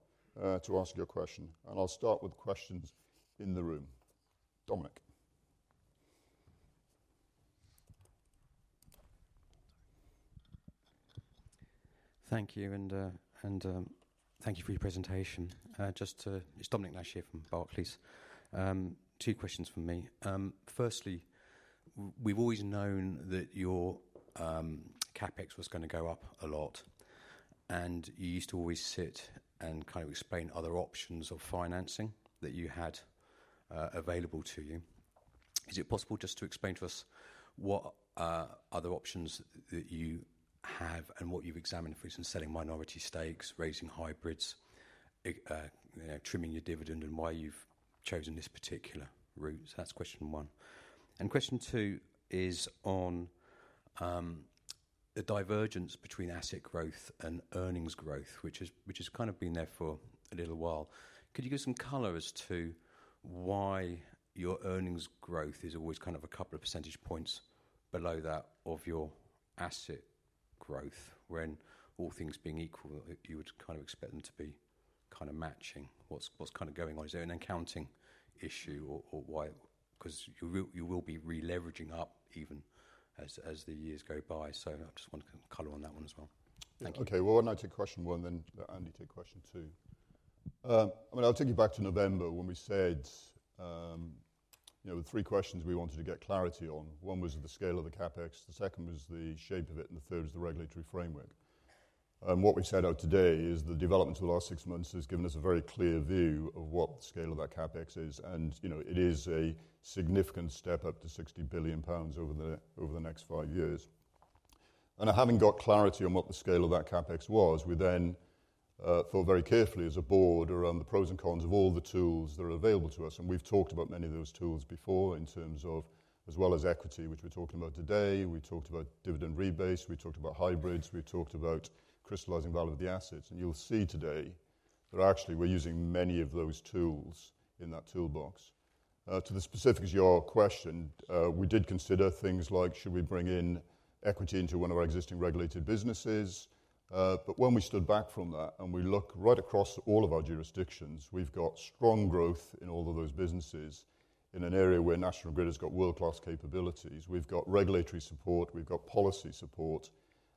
to ask your question, and I'll start with questions in the room. Dominic? Thank you for your presentation. Just to... It's Dominic Nash from Barclays. Two questions from me. Firstly, we've always known that your CapEx was gonna go up a lot, and you used to always sit and kind of explain other options of financing that you had available to you. Is it possible just to explain to us what are the options that you have and what you've examined, for instance, selling minority stakes, raising hybrids, you know, trimming your dividend, and why you've chosen this particular route? So that's question one. And question two is on the divergence between asset growth and earnings growth, which has kind of been there for a little while. Could you give some color as to why your earnings growth is always kind of a couple of percentage points below that of your asset growth, when all things being equal, you would kind of expect them to be kind of matching? What's kind of going on? Is there an accounting issue or why? 'Cause you will be re-leveraging up even as the years go by. So I just want color on that one as well. Thank you. Okay, well, why don't I take question one, then let Andy take question two? I mean, I'll take you back to November when we said, you know, the three questions we wanted to get clarity on. One was the scale of the CapEx, the second was the shape of it, and the third was the regulatory framework. And what we've set out today is the developments of the last six months has given us a very clear view of what the scale of that CapEx is, and, you know, it is a significant step up to 60 billion pounds over the next five years. And having got clarity on what the scale of that CapEx was, we then thought very carefully as a board around the pros and cons of all the tools that are available to us. We've talked about many of those tools before in terms of, as well as equity, which we're talking about today. We talked about dividend rebase, we talked about hybrids, we talked about crystallizing value of the assets, and you'll see today that actually we're using many of those tools in that toolbox. To the specifics of your question, we did consider things like, should we bring in equity into one of our existing regulated businesses? But when we stood back from that and we look right across all of our jurisdictions, we've got strong growth in all of those businesses. In an area where National Grid has got world-class capabilities, we've got regulatory support, we've got policy support,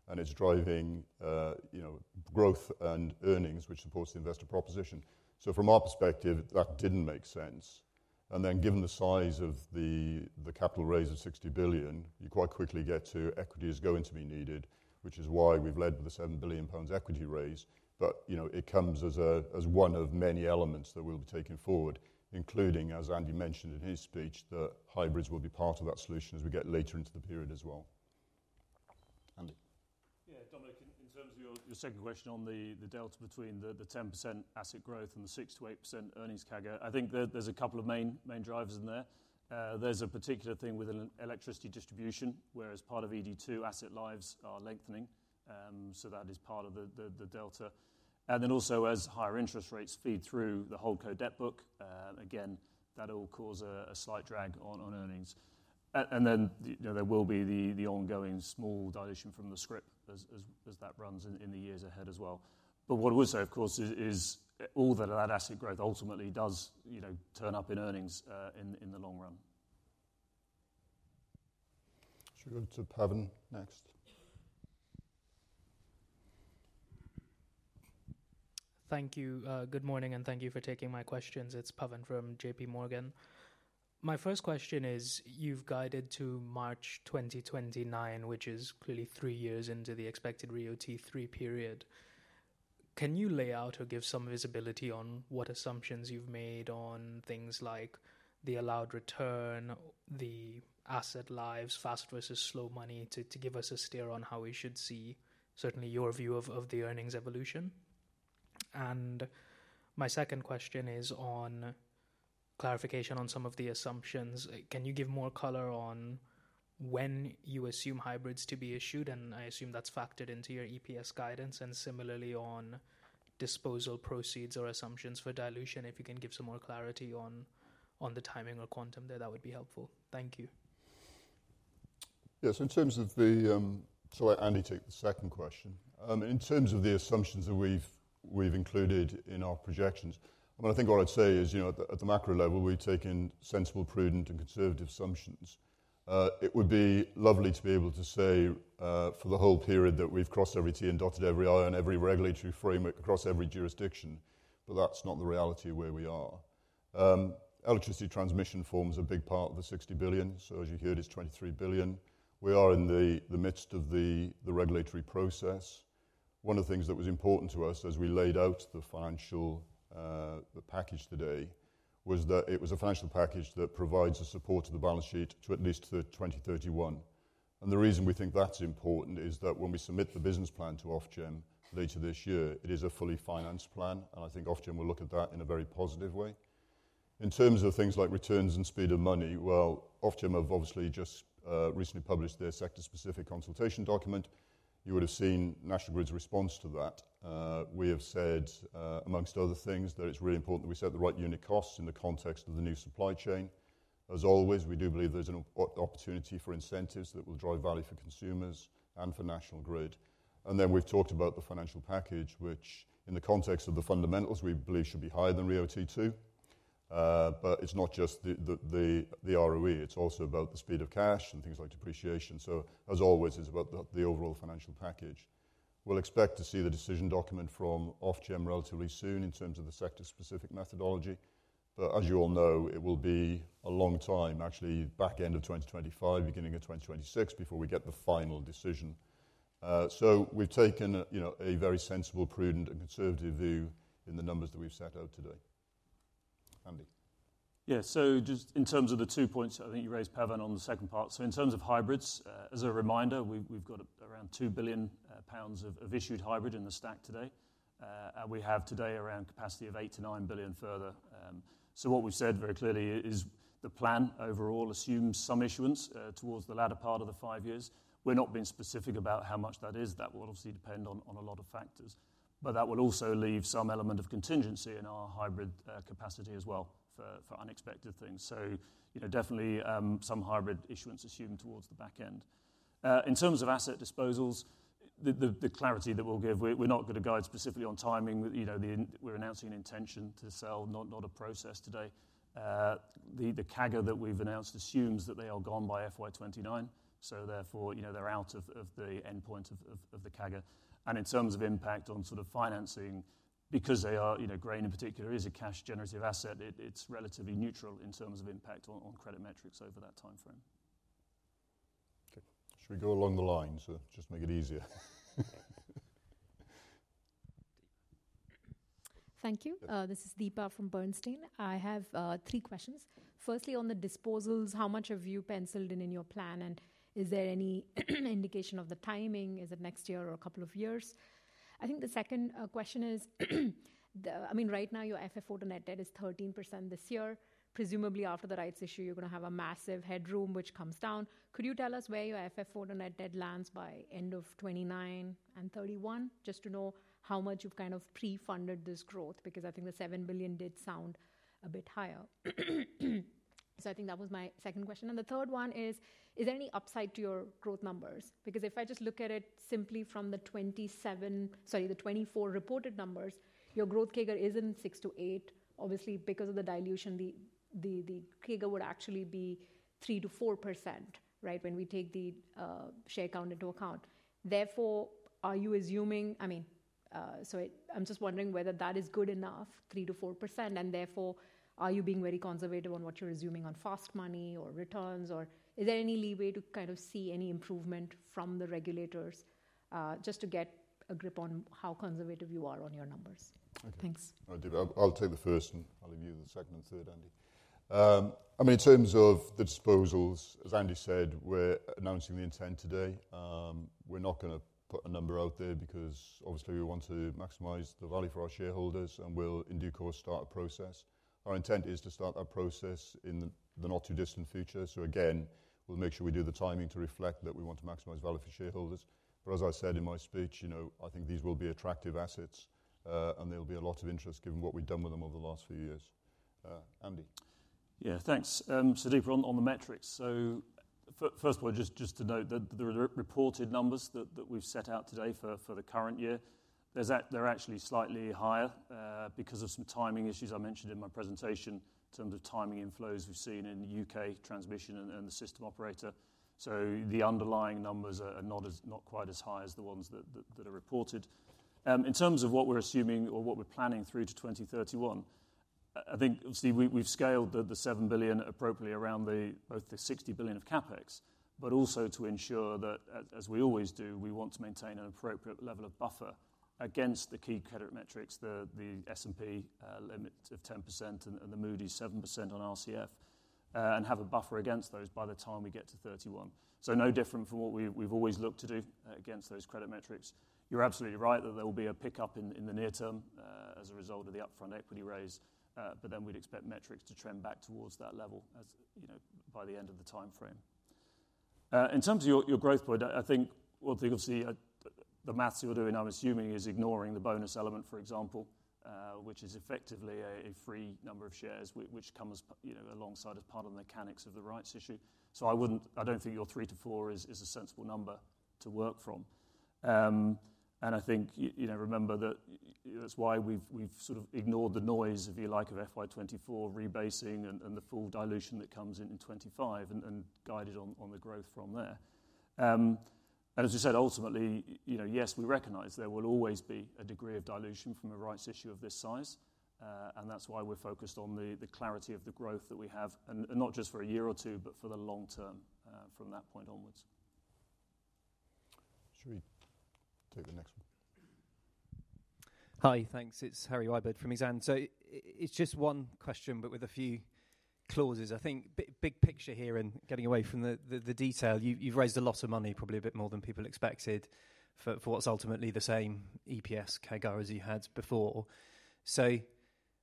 and it's driving, you know, growth and earnings, which supports the investor proposition. So from our perspective, that didn't make sense. Then given the size of the capital raise of 60 billion, you quite quickly get to equity is going to be needed, which is why we've led with the 7 billion pounds equity raise. But, you know, it comes as a, as one of many elements that we'll be taking forward, including, as Andy mentioned in his speech, that hybrids will be part of that solution as we get later into the period as well. Andy? Yeah, Dominic, in terms of your second question on the delta between the 10% asset growth and the 6%-8% earnings CAGR, I think there's a couple of main drivers in there. There's a particular thing with electricity distribution, where, as part of ED2, asset lives are lengthening, so that is part of the delta. And then also, as higher interest rates feed through the whole core debt book, again, that will cause a slight drag on earnings. And then, you know, there will be the ongoing small dilution from the scrip as that runs in the years ahead as well. But what I would say, of course, is all that asset growth ultimately does, you know, turn up in earnings in the long run. Should we go to Pavan next? Thank you. Good morning, and thank you for taking my questions. It's Pavan from JP Morgan. My first question is: you've guided to March 2029, which is clearly three years into the expected RIIO-T3 period. Can you lay out or give some visibility on what assumptions you've made on things like the allowed return, the asset lives, fast versus slow money, to, to give us a steer on how we should see certainly your view of, of the earnings evolution? And my second question is on clarification on some of the assumptions. Can you give more color on when you assume hybrids to be issued? And I assume that's factored into your EPS guidance, and similarly, on disposal proceeds or assumptions for dilution. If you can give some more clarity on, on the timing or quantum there, that would be helpful. Thank you. Yes, in terms of the, so I'll let Andy take the second question. In terms of the assumptions that we've, we've included in our projections, well, I think what I'd say is, you know, at the, at the macro level, we've taken sensible, prudent, and conservative assumptions. It would be lovely to be able to say, for the whole period that we've crossed every t and dotted every i on every regulatory framework across every jurisdiction, but that's not the reality where we are. Electricity transmission forms a big part of the 60 billion, so as you heard, it's 23 billion. We are in the, the midst of the, the regulatory process. One of the things that was important to us as we laid out the financial, the package today, was that it was a financial package that provides the support to the balance sheet to at least to 2031. And the reason we think that's important is that when we submit the business plan to Ofgem later this year, it is a fully financed plan, and I think Ofgem will look at that in a very positive way. In terms of things like returns and speed of money, well, Ofgem have obviously just recently published their Sector Specific Consultation document. You would have seen National Grid's response to that. We have said, amongst other things, that it's really important that we set the right unit costs in the context of the new supply chain. As always, we do believe there's an opportunity for incentives that will drive value for consumers and for National Grid. And then we've talked about the financial package, which, in the context of the fundamentals, we believe should be higher than RIIO-T2. But it's not just the ROE, it's also about the speed of cash and things like depreciation. So as always, it's about the overall financial package. We'll expect to see the decision document from Ofgem relatively soon in terms of the Sector Specific Methodology. But as you all know, it will be a long time, actually, back end of 2025, beginning of 2026, before we get the final decision. So we've taken, you know, a very sensible, prudent, and conservative view in the numbers that we've set out today. Andy. Yeah, so just in terms of the two points, I think you raised, Pavan, on the second part. So in terms of hybrids, as a reminder, we've got around 2 billion pounds of issued hybrid in the stack today. And we have today around capacity of 8-9 billion further. So what we've said very clearly is the plan overall assumes some issuance towards the latter part of the five years. We're not being specific about how much that is. That will obviously depend on a lot of factors. But that will also leave some element of contingency in our hybrid capacity as well for unexpected things. So, you know, definitely some hybrid issuance assumed towards the back end. In terms of asset disposals, it-... the clarity that we'll give, we're not going to guide specifically on timing. You know, we're announcing an intention to sell, not a process today. The CAGR that we've announced assumes that they are gone by FY 29, so therefore, you know, they're out of the endpoint of the CAGR. And in terms of impact on sort of financing, because they are, you know, Grain in particular is a cash generative asset, it, it's relatively neutral in terms of impact on credit metrics over that timeframe. Okay. Should we go along the line, so just make it easier? Thank you. Yeah. This is Deepa from Bernstein. I have three questions. Firstly, on the disposals, how much have you penciled in in your plan, and is there any indication of the timing? Is it next year or a couple of years? I think the second question is, I mean, right now, your FFO to net debt is 13% this year. Presumably, after the rights issue, you're gonna have a massive headroom, which comes down. Could you tell us where your FFO to net debt lands by end of 2029 and 2031, just to know how much you've kind of pre-funded this growth? Because I think the 7 billion did sound a bit higher. So I think that was my second question. And the third one is, is there any upside to your growth numbers? Because if I just look at it simply from the 27, sorry, the 24 reported numbers, your growth CAGR is in 6-8. Obviously, because of the dilution, the CAGR would actually be 3%-4%, right? When we take the share count into account. Therefore, are you assuming, I mean, so I'm just wondering whether that is good enough, 3%-4%, and therefore, are you being very conservative on what you're assuming on fast money or returns, or is there any leeway to kind of see any improvement from the regulators? Just to get a grip on how conservative you are on your numbers. Okay. Thanks. All right, Deepa. I'll, I'll take the first, and I'll leave you the second and third, Andy. I mean, in terms of the disposals, as Andy said, we're announcing the intent today. We're not gonna put a number out there because, obviously, we want to maximize the value for our shareholders, and we'll, in due course, start a process. Our intent is to start that process in the not-too-distant future. So again, we'll make sure we do the timing to reflect that we want to maximize value for shareholders. But as I said in my speech, you know, I think these will be attractive assets, and there'll be a lot of interest given what we've done with them over the last few years. Andy? Yeah, thanks. So Deepa, on the metrics, so first of all, just to note that the reported numbers that we've set out today for the current year, they're actually slightly higher because of some timing issues I mentioned in my presentation in terms of timing inflows we've seen in the UK transmission and the system operator. So the underlying numbers are not as, not quite as high as the ones that are reported. In terms of what we're assuming or what we're planning through to 2031, obviously, we've scaled the 7 billion appropriately around both the 60 billion of CapEx, but also to ensure that as we always do, we want to maintain an appropriate level of buffer against the key credit metrics, the S&P limit of 10% and the Moody's 7% on RCF, and have a buffer against those by the time we get to 2031. So no different from what we've always looked to do against those credit metrics. You're absolutely right that there will be a pickup in the near term as a result of the upfront equity raise, but then we'd expect metrics to trend back towards that level, as you know, by the end of the timeframe. In terms of your growth point, I think what you can see, the math you're doing, I'm assuming, is ignoring the bonus element, for example, which is effectively a free number of shares which comes, you know, alongside as part of the mechanics of the rights issue. So I wouldn't. I don't think your 3-4 is a sensible number to work from. And I think you know, remember that that's why we've sort of ignored the noise, if you like, of FY 2024 rebasing and the full dilution that comes in in 2025 and guided on the growth from there. And as you said, ultimately, you know, yes, we recognize there will always be a degree of dilution from a rights issue of this size, and that's why we're focused on the clarity of the growth that we have, and not just for a year or two, but for the long term, from that point onwards. Should we take the next one? Hi, thanks. It's Harry Wyburd from Exane. So it's just one question, but with a few clauses. I think big picture here and getting away from the detail, you've raised a lot of money, probably a bit more than people expected, for what's ultimately the same EPS CAGR as you had before. So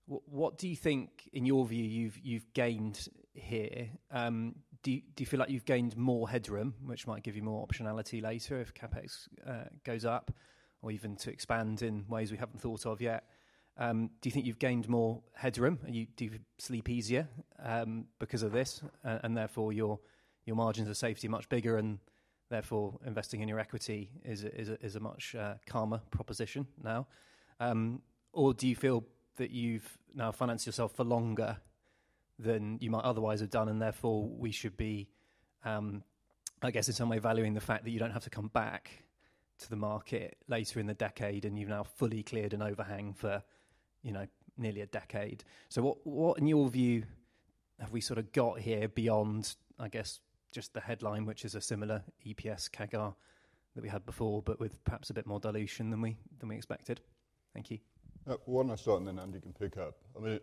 what do you think, in your view, you've gained here? Do you feel like you've gained more headroom, which might give you more optionality later if CapEx goes up, or even to expand in ways we haven't thought of yet? Do you think you've gained more headroom, and do you sleep easier because of this, and therefore, your margins of safety are much bigger, and therefore, investing in your equity is a much calmer proposition now? Or do you feel that you've now financed yourself for longer than you might otherwise have done, and therefore, we should be, I guess, in some way, valuing the fact that you don't have to come back to the market later in the decade, and you've now fully cleared an overhang for, you know, nearly a decade. So what, what, in your view, have we sort of got here beyond, I guess, just the headline, which is a similar EPS CAGR that we had before, but with perhaps a bit more dilution than we, than we expected? Thank you. Why don't I start, and then Andy can pick up? I mean,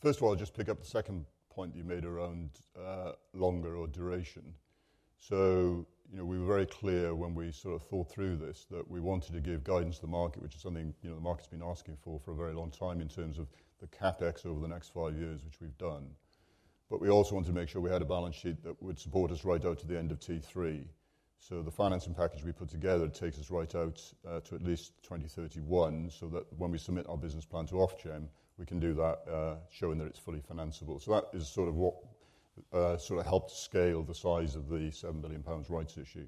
first of all, I'll just pick up the second point you made around longer or duration. So, you know, we were very clear when we sort of thought through this, that we wanted to give guidance to the market, which is something, you know, the market's been asking for, for a very long time in terms of the CapEx over the next five years, which we've done. But we also wanted to make sure we had a balance sheet that would support us right out to the end of T3. So the financing package we put together takes us right out to at least 2031, so that when we submit our business plan to Ofgem, we can do that showing that it's fully financeable. So that is sort of what-... Sort of helped scale the size of the 7 billion pounds rights issue.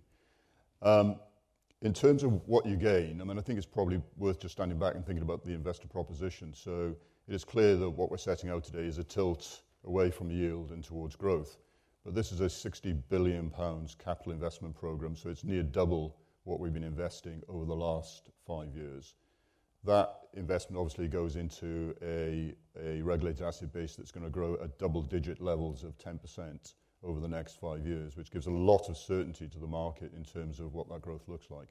In terms of what you gain, I mean, I think it's probably worth just standing back and thinking about the investor proposition. So it is clear that what we're setting out today is a tilt away from yield and towards growth. But this is a 60 billion pounds capital investment program, so it's near double what we've been investing over the last five years. That investment obviously goes into a regulated asset base that's gonna grow at double-digit levels of 10% over the next five years, which gives a lot of certainty to the market in terms of what that growth looks like.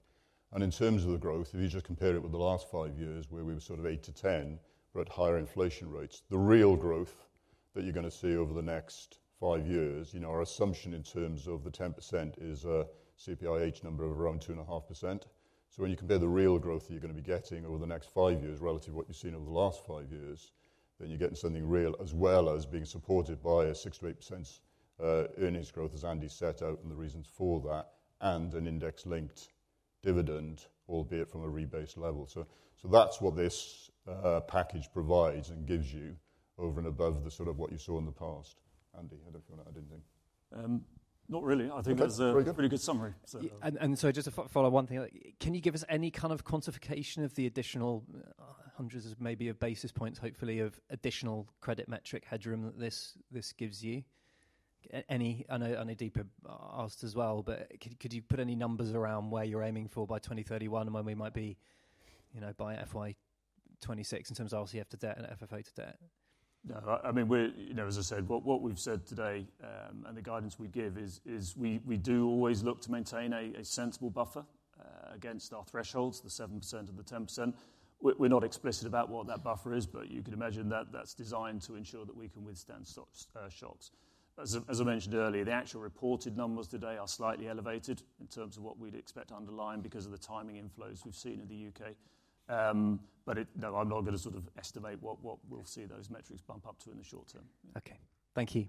And in terms of the growth, if you just compare it with the last five years, where we were sort of 8-10, we're at higher inflation rates. The real growth that you're gonna see over the next five years, you know, our assumption in terms of the 10% is a CPIH number of around 2.5%. So when you compare the real growth that you're gonna be getting over the next five years relative to what you've seen over the last five years, then you're getting something real, as well as being supported by a 6%-8% earnings growth, as Andy set out, and the reasons for that, and an index-linked dividend, albeit from a rebased level. So, so that's what this, package provides and gives you over and above the sort of what you saw in the past. Andy, had anything to add anything? Not really. Okay. I think that's a- Very good. Pretty good summary. So So, just to follow one thing. Can you give us any kind of quantification of the additional hundreds of maybe a basis points, hopefully, of additional credit metric headroom that this gives you? I know Deepa asked as well, but could you put any numbers around where you're aiming for by 2031 and when we might be, you know, by FY26 in terms of RCF to debt and FFO to debt? No, I mean, we're... You know, as I said, what we've said today, and the guidance we give is we do always look to maintain a sensible buffer against our thresholds, the 7% and the 10%. We're not explicit about what that buffer is, but you can imagine that that's designed to ensure that we can withstand shocks. As I mentioned earlier, the actual reported numbers today are slightly elevated in terms of what we'd expect to underline because of the timing inflows we've seen in the UK. But no, I'm not gonna sort of estimate what we'll see those metrics bump up to in the short term. Okay. Thank you.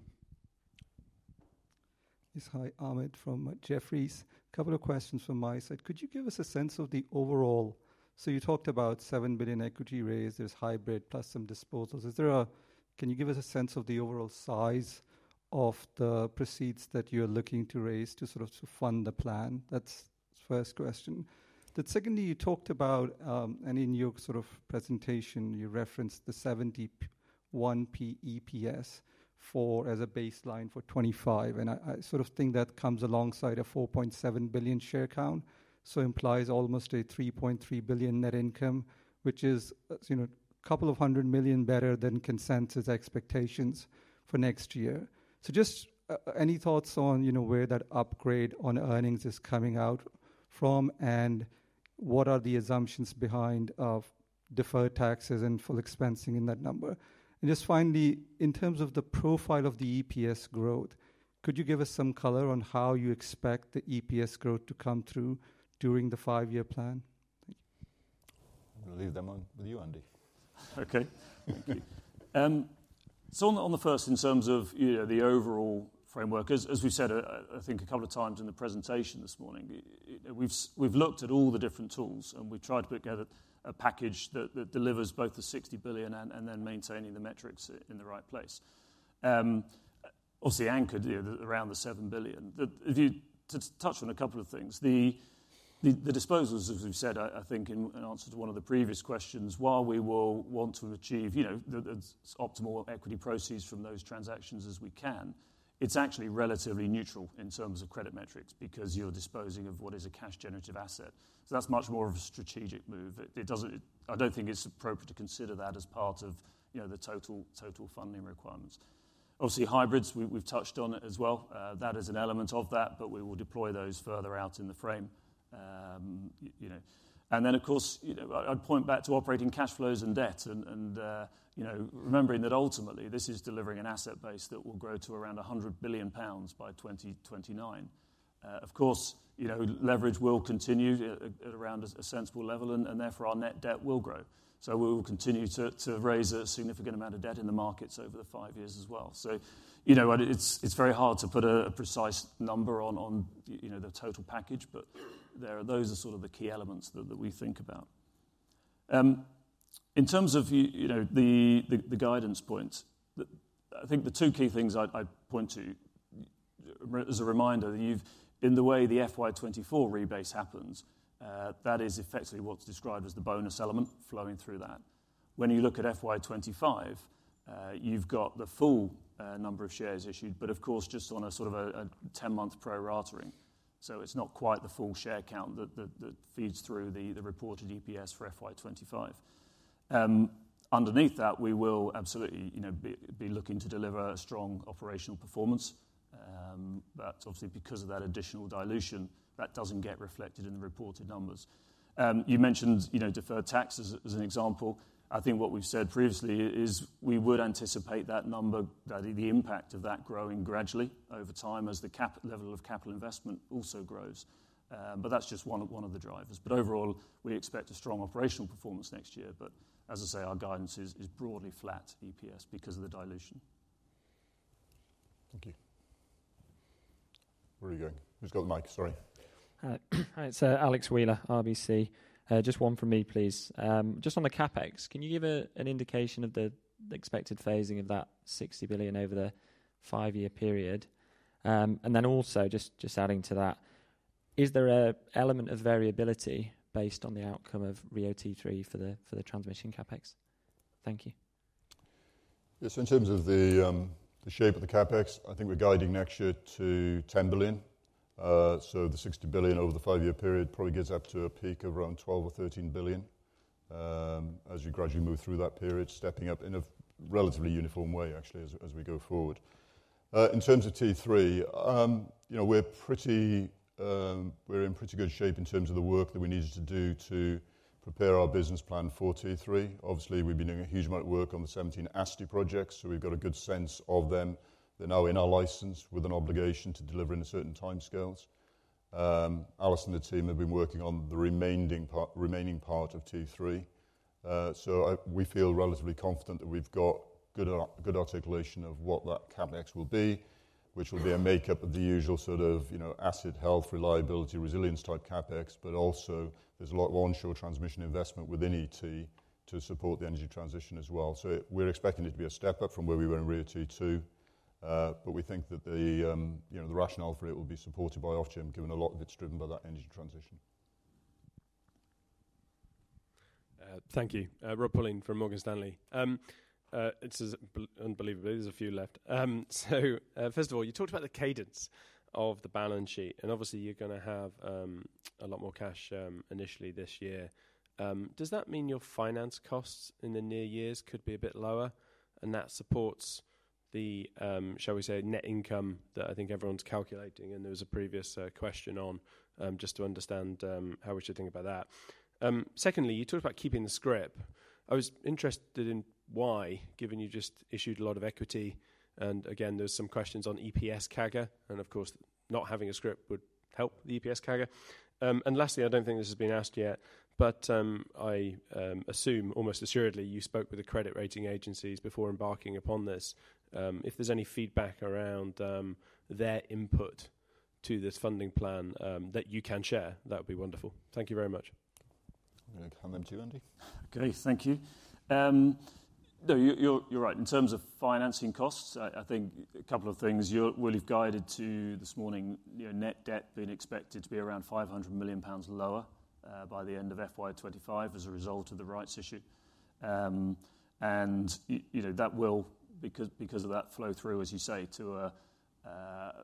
Yes, hi. Ahmed from Jefferies. A couple of questions from my side. Could you give us a sense of the overall— So you talked about £7 billion equity raise, there's hybrid plus some disposals. Is there a— Can you give us a sense of the overall size of the proceeds that you're looking to raise to sort of to fund the plan? That's first question. Then secondly, you talked about, and in your sort of presentation, you referenced the 71p EPS for FY25 as a baseline for 2025, and I, I sort of think that comes alongside a 4.7 billion share count. So implies almost a £3.3 billion net income, which is, you know, a couple of 100 million better than consensus expectations for next year. So just any thoughts on, you know, where that upgrade on earnings is coming out from? What are the assumptions behind the deferred taxes and full expensing in that number? And just finally, in terms of the profile of the EPS growth, could you give us some color on how you expect the EPS growth to come through during the five-year plan? Thank you. I'm gonna leave them with you, Andy. Okay. So on the first, in terms of, you know, the overall framework, as we've said, I think a couple of times in the presentation this morning, we've looked at all the different tools, and we've tried to put together a package that delivers both the 60 billion and then maintaining the metrics in the right place. Obviously anchored here around the 7 billion. To touch on a couple of things, the disposals, as we've said, I think in answer to one of the previous questions, while we will want to achieve, you know, the optimal equity proceeds from those transactions as we can, it's actually relatively neutral in terms of credit metrics because you're disposing of what is a cash generative asset. So that's much more of a strategic move. It doesn't. I don't think it's appropriate to consider that as part of, you know, the total funding requirements. Obviously, hybrids, we've touched on as well. That is an element of that, but we will deploy those further out in the frame. You know. And then, of course, you know, I'd point back to operating cash flows and debt and, you know, remembering that ultimately this is delivering an asset base that will grow to around 100 billion pounds by 2029. Of course, you know, leverage will continue at around a sensible level, and therefore, our net debt will grow. So we will continue to raise a significant amount of debt in the markets over the five years as well. So, you know, and it's very hard to put a precise number on, you know, the total package, but there—those are sort of the key elements that we think about. In terms of you know, the guidance point, I think the two key things I'd point to as a reminder, you've—in the way the FY 24 rebase happens, that is effectively what's described as the bonus element flowing through that. When you look at FY 25, you've got the full number of shares issued, but of course, just on a sort of a 10-month pro-rata-ing. So it's not quite the full share count that feeds through the reported EPS for FY 25. Underneath that, we will absolutely, you know, be looking to deliver a strong operational performance. But obviously, because of that additional dilution, that doesn't get reflected in the reported numbers. You mentioned, you know, deferred tax as an example. I think what we've said previously is we would anticipate that number, the impact of that growing gradually over time as the capital level of capital investment also grows. But that's just one of the drivers. But overall, we expect a strong operational performance next year. But as I say, our guidance is broadly flat EPS because of the dilution. Thank you.... Where are you going? Who's got the mic? Sorry. Hi. Hi, it's Alex Wheeler, RBC. Just one from me, please. Just on the CapEx, can you give an indication of the expected phasing of that 60 billion over the five-year period? And then also, just adding to that, is there an element of variability based on the outcome of RIIO-T3 for the transmission CapEx? Thank you. Yes, in terms of the shape of the CapEx, I think we're guiding next year to 10 billion. So the 60 billion over the five-year period probably gets up to a peak of around 12 billion or 13 billion, as you gradually move through that period, stepping up in a relatively uniform way, actually, as we go forward. In terms of T3, you know, we're pretty, we're in pretty good shape in terms of the work that we needed to do to prepare our business plan for T3. Obviously, we've been doing a huge amount of work on the 17 ASTI projects, so we've got a good sense of them. They're now in our license with an obligation to deliver in certain timescales. Alice and the team have been working on the remaining part of T3. So we feel relatively confident that we've got good articulation of what that CapEx will be, which will be a makeup of the usual sort of, you know, asset health, reliability, resilience-type CapEx, but also there's a lot of onshore transmission investment within ET to support the energy transition as well. So we're expecting it to be a step up from where we were in RIIO-T2, but we think that the, you know, the rationale for it will be supported by Ofgem, given a lot of it's driven by that energy transition. Thank you. Rob Pullen from Morgan Stanley. Unbelievably, there's a few left. So, first of all, you talked about the cadence of the balance sheet, and obviously, you're gonna have a lot more cash initially this year. Does that mean your finance costs in the near years could be a bit lower, and that supports the, shall we say, net income that I think everyone's calculating? And there was a previous question on just to understand how we should think about that. Secondly, you talked about keeping the scrip. I was interested in why, given you just issued a lot of equity, and again, there were some questions on EPS CAGR, and of course, not having a scrip would help the EPS CAGR. And lastly, I don't think this has been asked yet, but I assume almost assuredly you spoke with the credit rating agencies before embarking upon this. If there's any feedback around their input to this funding plan that you can share, that would be wonderful. Thank you very much. I'm gonna come to you, Andy. Okay. Thank you. No, you're right. In terms of financing costs, I think a couple of things. We've guided to, this morning, you know, net debt being expected to be around 500 million pounds lower by the end of FY 25 as a result of the rights issue. And you know, that will, because of that flow-through, as you say, to a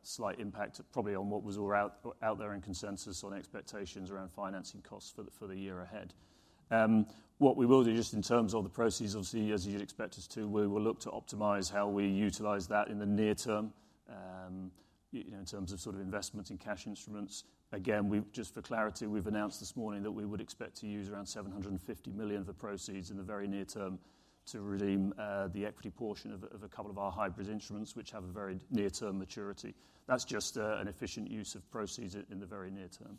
slight impact probably on what was all out there in consensus on expectations around financing costs for the year ahead. What we will do, just in terms of the proceeds, obviously, as you'd expect us to, we will look to optimize how we utilize that in the near term, you know, in terms of sort of investment in cash instruments. Again, we've just for clarity, we've announced this morning that we would expect to use around 750 million of the proceeds in the very near term to redeem the equity portion of a couple of our hybrid instruments, which have a very near-term maturity. That's just an efficient use of proceeds in the very near term.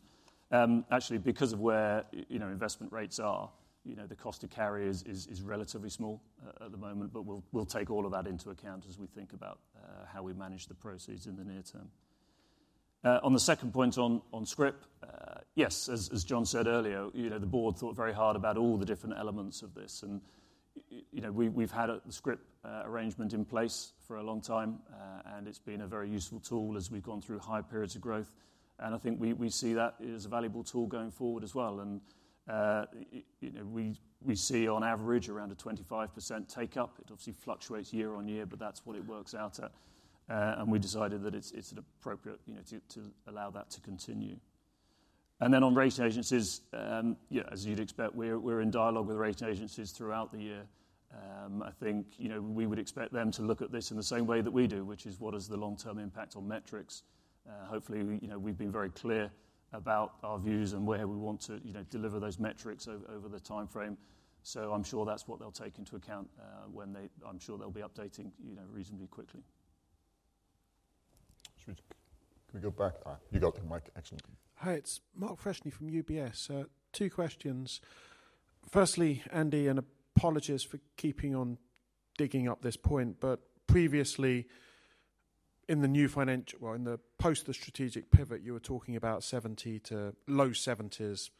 Actually, because of where you know, investment rates are, you know, the cost to carry is relatively small at the moment, but we'll take all of that into account as we think about how we manage the proceeds in the near term. On the second point on scrip, yes, as John said earlier, you know, the board thought very hard about all the different elements of this, and you know, we've had a scrip arrangement in place for a long time, and it's been a very useful tool as we've gone through high periods of growth, and I think we see that as a valuable tool going forward as well. And you know, we see on average around a 25% take-up. It obviously fluctuates year on year, but that's what it works out at. And we decided that it's appropriate, you know, to allow that to continue. And then on rating agencies, yeah, as you'd expect, we're in dialogue with the rating agencies throughout the year. I think, you know, we would expect them to look at this in the same way that we do, which is, what is the long-term impact on metrics? Hopefully, you know, we've been very clear about our views and where we want to, you know, deliver those metrics over the timeframe. So I'm sure that's what they'll take into account, when they... I'm sure they'll be updating, you know, reasonably quickly. Should we-- Can we go back? You got the mic. Excellent. Hi, it's Mark Freshney from UBS. Two questions. Firstly, Andy, and apologies for keeping on digging up this point, but previously, in the new financial... Well, in the post the strategic pivot, you were talking about 70%-low 70s%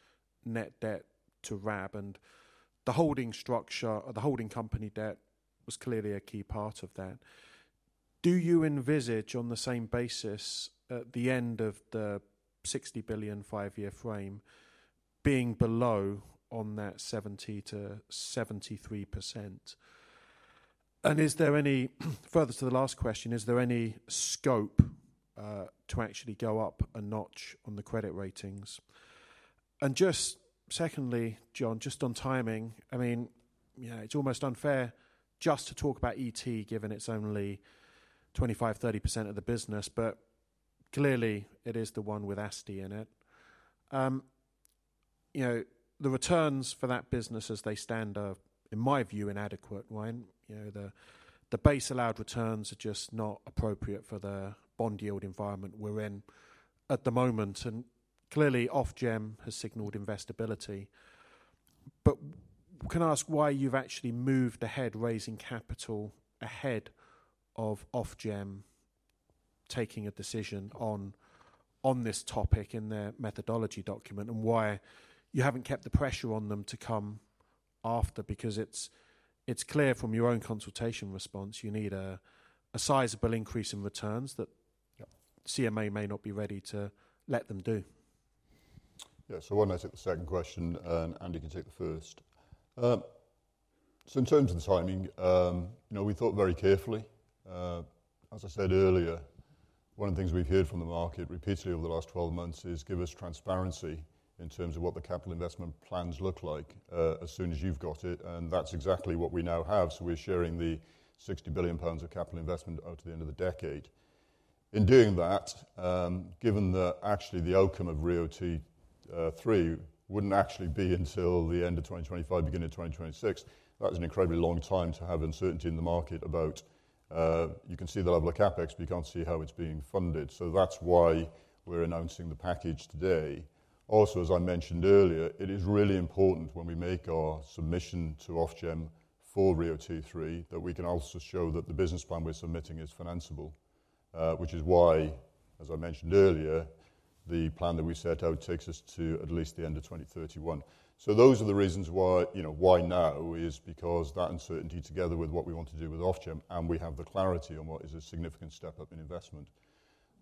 net debt to RAB, and the holding structure or the holding company debt was clearly a key part of that. Do you envisage, on the same basis, at the end of the 60 billion, five-year frame, being below on that 70%-73%? And is there any, further to the last question, is there any scope to actually go up a notch on the credit ratings? And just secondly, John, just on timing, I mean, you know, it's almost unfair just to talk about ET, given it's only 25%-30% of the business, but clearly, it is the one with ASTI in it. You know, the returns for that business as they stand are, in my view, inadequate, right? You know, the base allowed returns are just not appropriate for the bond yield environment we're in at the moment, and clearly, Ofgem has signaled investability. But can I ask why you've actually moved ahead raising capital ahead of Ofgem taking a decision on this topic in their methodology document? And why you haven't kept the pressure on them to come after, because it's clear from your own consultation response, you need a sizable increase in returns that- Yep. CMA may not be ready to let them do. Yeah. Why don't I take the second question, and Andy can take the first. In terms of the timing, you know, we thought very carefully. As I said earlier, one of the things we've heard from the market repeatedly over the last 12 months is, "Give us transparency in terms of what the capital investment plans look like, as soon as you've got it." That's exactly what we now have, so we're sharing the 60 billion pounds of capital investment out to the end of the decade. In doing that, given that actually the outcome of RIIO-T3 wouldn't actually be until the end of 2025, beginning of 2026, that is an incredibly long time to have uncertainty in the market about. You can see the level of CapEx, but you can't see how it's being funded. So that's why we're announcing the package today. Also, as I mentioned earlier, it is really important when we make our submission to Ofgem for RIIO-T3, that we can also show that the business plan we're submitting is financeable. Which is why, as I mentioned earlier, the plan that we set out takes us to at least the end of 2031. So those are the reasons why, you know, why now is because that uncertainty, together with what we want to do with Ofgem, and we have the clarity on what is a significant step up in investment.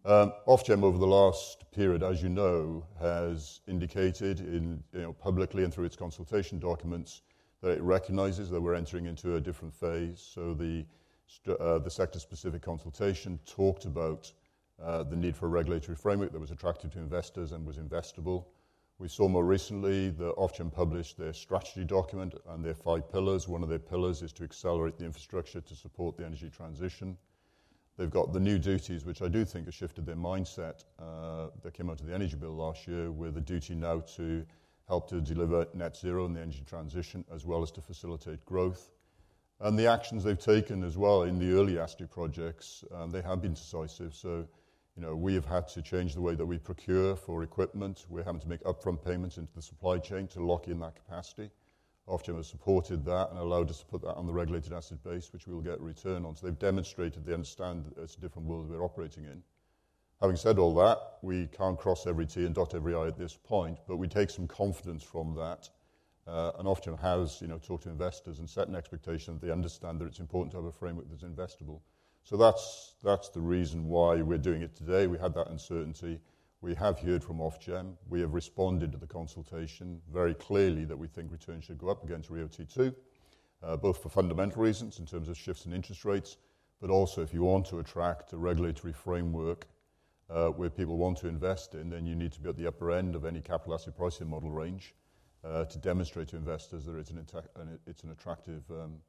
Ofgem, over the last period, as you know, has indicated in, you know, publicly and through its consultation documents, that it recognizes that we're entering into a different phase. So the sector-specific consultation talked about the need for a regulatory framework that was attractive to investors and was investable. We saw more recently that Ofgem published their strategy document and their five pillars. One of their pillars is to accelerate the infrastructure to support the energy transition. They've got the new duties, which I do think have shifted their mindset, that came out of the Energy Bill last year, where the duty now to help to deliver net zero in the energy transition, as well as to facilitate growth. And the actions they've taken as well in the early asset projects, and they have been decisive. So, you know, we have had to change the way that we procure for equipment. We're having to make upfront payments into the supply chain to lock in that capacity. Ofgem has supported that and allowed us to put that on the regulated asset base, which we will get a return on. So they've demonstrated they understand it's a different world we're operating in. Having said all that, we can't cross every t and dot every i at this point, but we take some confidence from that. And Ofgem has, you know, talked to investors and set an expectation that they understand that it's important to have a framework that's investable. So that's, that's the reason why we're doing it today. We had that uncertainty. We have heard from Ofgem. We have responded to the consultation very clearly that we think returns should go up against RIIO-T2, both for fundamental reasons in terms of shifts in interest rates, but also, if you want to attract a regulatory framework, where people want to invest in, then you need to be at the upper end of any Capital Asset Pricing Model range, to demonstrate to investors that it's an attractive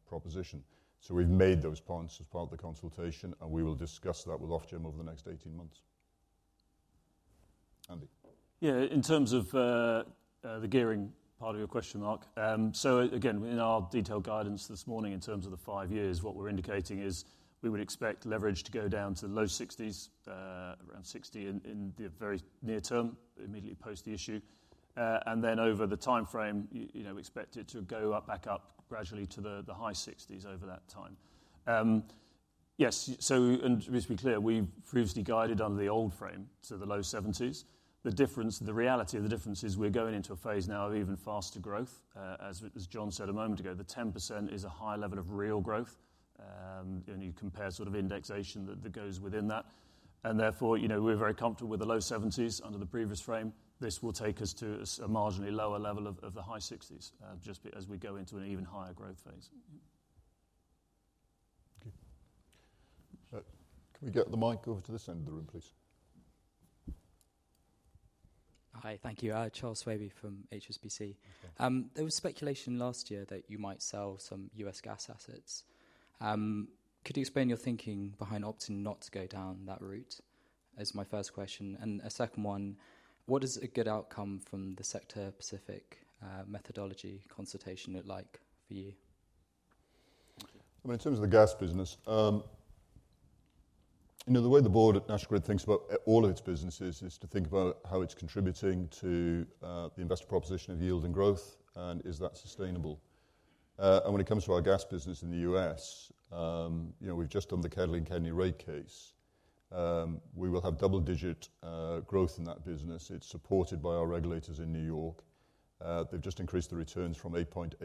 proposition. So we've made those points as part of the consultation, and we will discuss that with Ofgem over the next 18 months. Andy? Yeah, in terms of the gearing part of your question, Mark, so again, in our detailed guidance this morning, in terms of the five years, what we're indicating is we would expect leverage to go down to the low 60s, around 60 in the very near term, immediately post the issue. And then over the timeframe, you know, we expect it to go up, back up gradually to the high 60s over that time. Yes, so and just to be clear, we've previously guided under the old frame, so the low 70s. The difference, the reality of the difference is we're going into a phase now of even faster growth. As John said a moment ago, the 10% is a high level of real growth. And you compare sort of indexation that, that goes within that, and therefore, you know, we're very comfortable with the low seventies under the previous frame. This will take us to a marginally lower level of, of the high sixties, just as we go into an even higher growth phase. Thank you. Can we get the mic over to this end of the room, please? Hi, thank you. Charles Swabey from HSBC. Okay. There was speculation last year that you might sell some U.S. gas assets. Could you explain your thinking behind opting not to go down that route? As my first question, and a second one: what is a good outcome from the sector-specific methodology consultation look like for you? I mean, in terms of the gas business, you know, the way the board at National Grid thinks about all of its businesses is to think about how it's contributing to the investor proposition of yield and growth, and is that sustainable? And when it comes to our gas business in the U.S., you know, we've just done the KEDNY KEDLI Rate Case. We will have double-digit growth in that business. It's supported by our regulators in New York. They've just increased the returns from 8.8%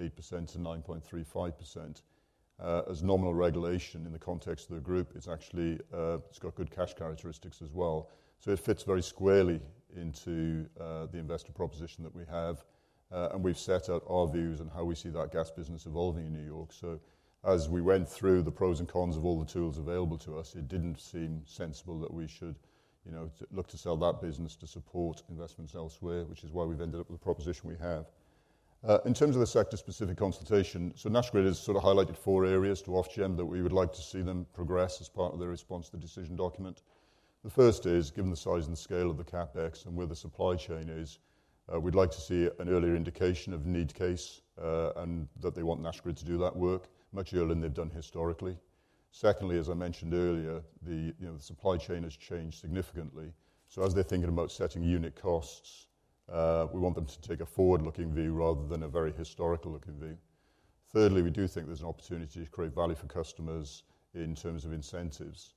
to 9.35%. As nominal regulation in the context of the group, it's actually, it's got good cash characteristics as well, so it fits very squarely into the investor proposition that we have. And we've set out our views on how we see that gas business evolving in New York. So as we went through the pros and cons of all the tools available to us, it didn't seem sensible that we should, you know, look to sell that business to support investments elsewhere, which is why we've ended up with the proposition we have. In terms of the sector-specific consultation, so National Grid has sort of highlighted four areas to Ofgem that we would like to see them progress as part of their response to the decision document. The first is, given the size and scale of the CapEx and where the supply chain is, we'd like to see an earlier indication of need case, and that they want National Grid to do that work much earlier than they've done historically. Secondly, as I mentioned earlier, you know, the supply chain has changed significantly. So as they're thinking about setting unit costs, we want them to take a forward-looking view rather than a very historical-looking view. Thirdly, we do think there's an opportunity to create value for customers in terms of incentives,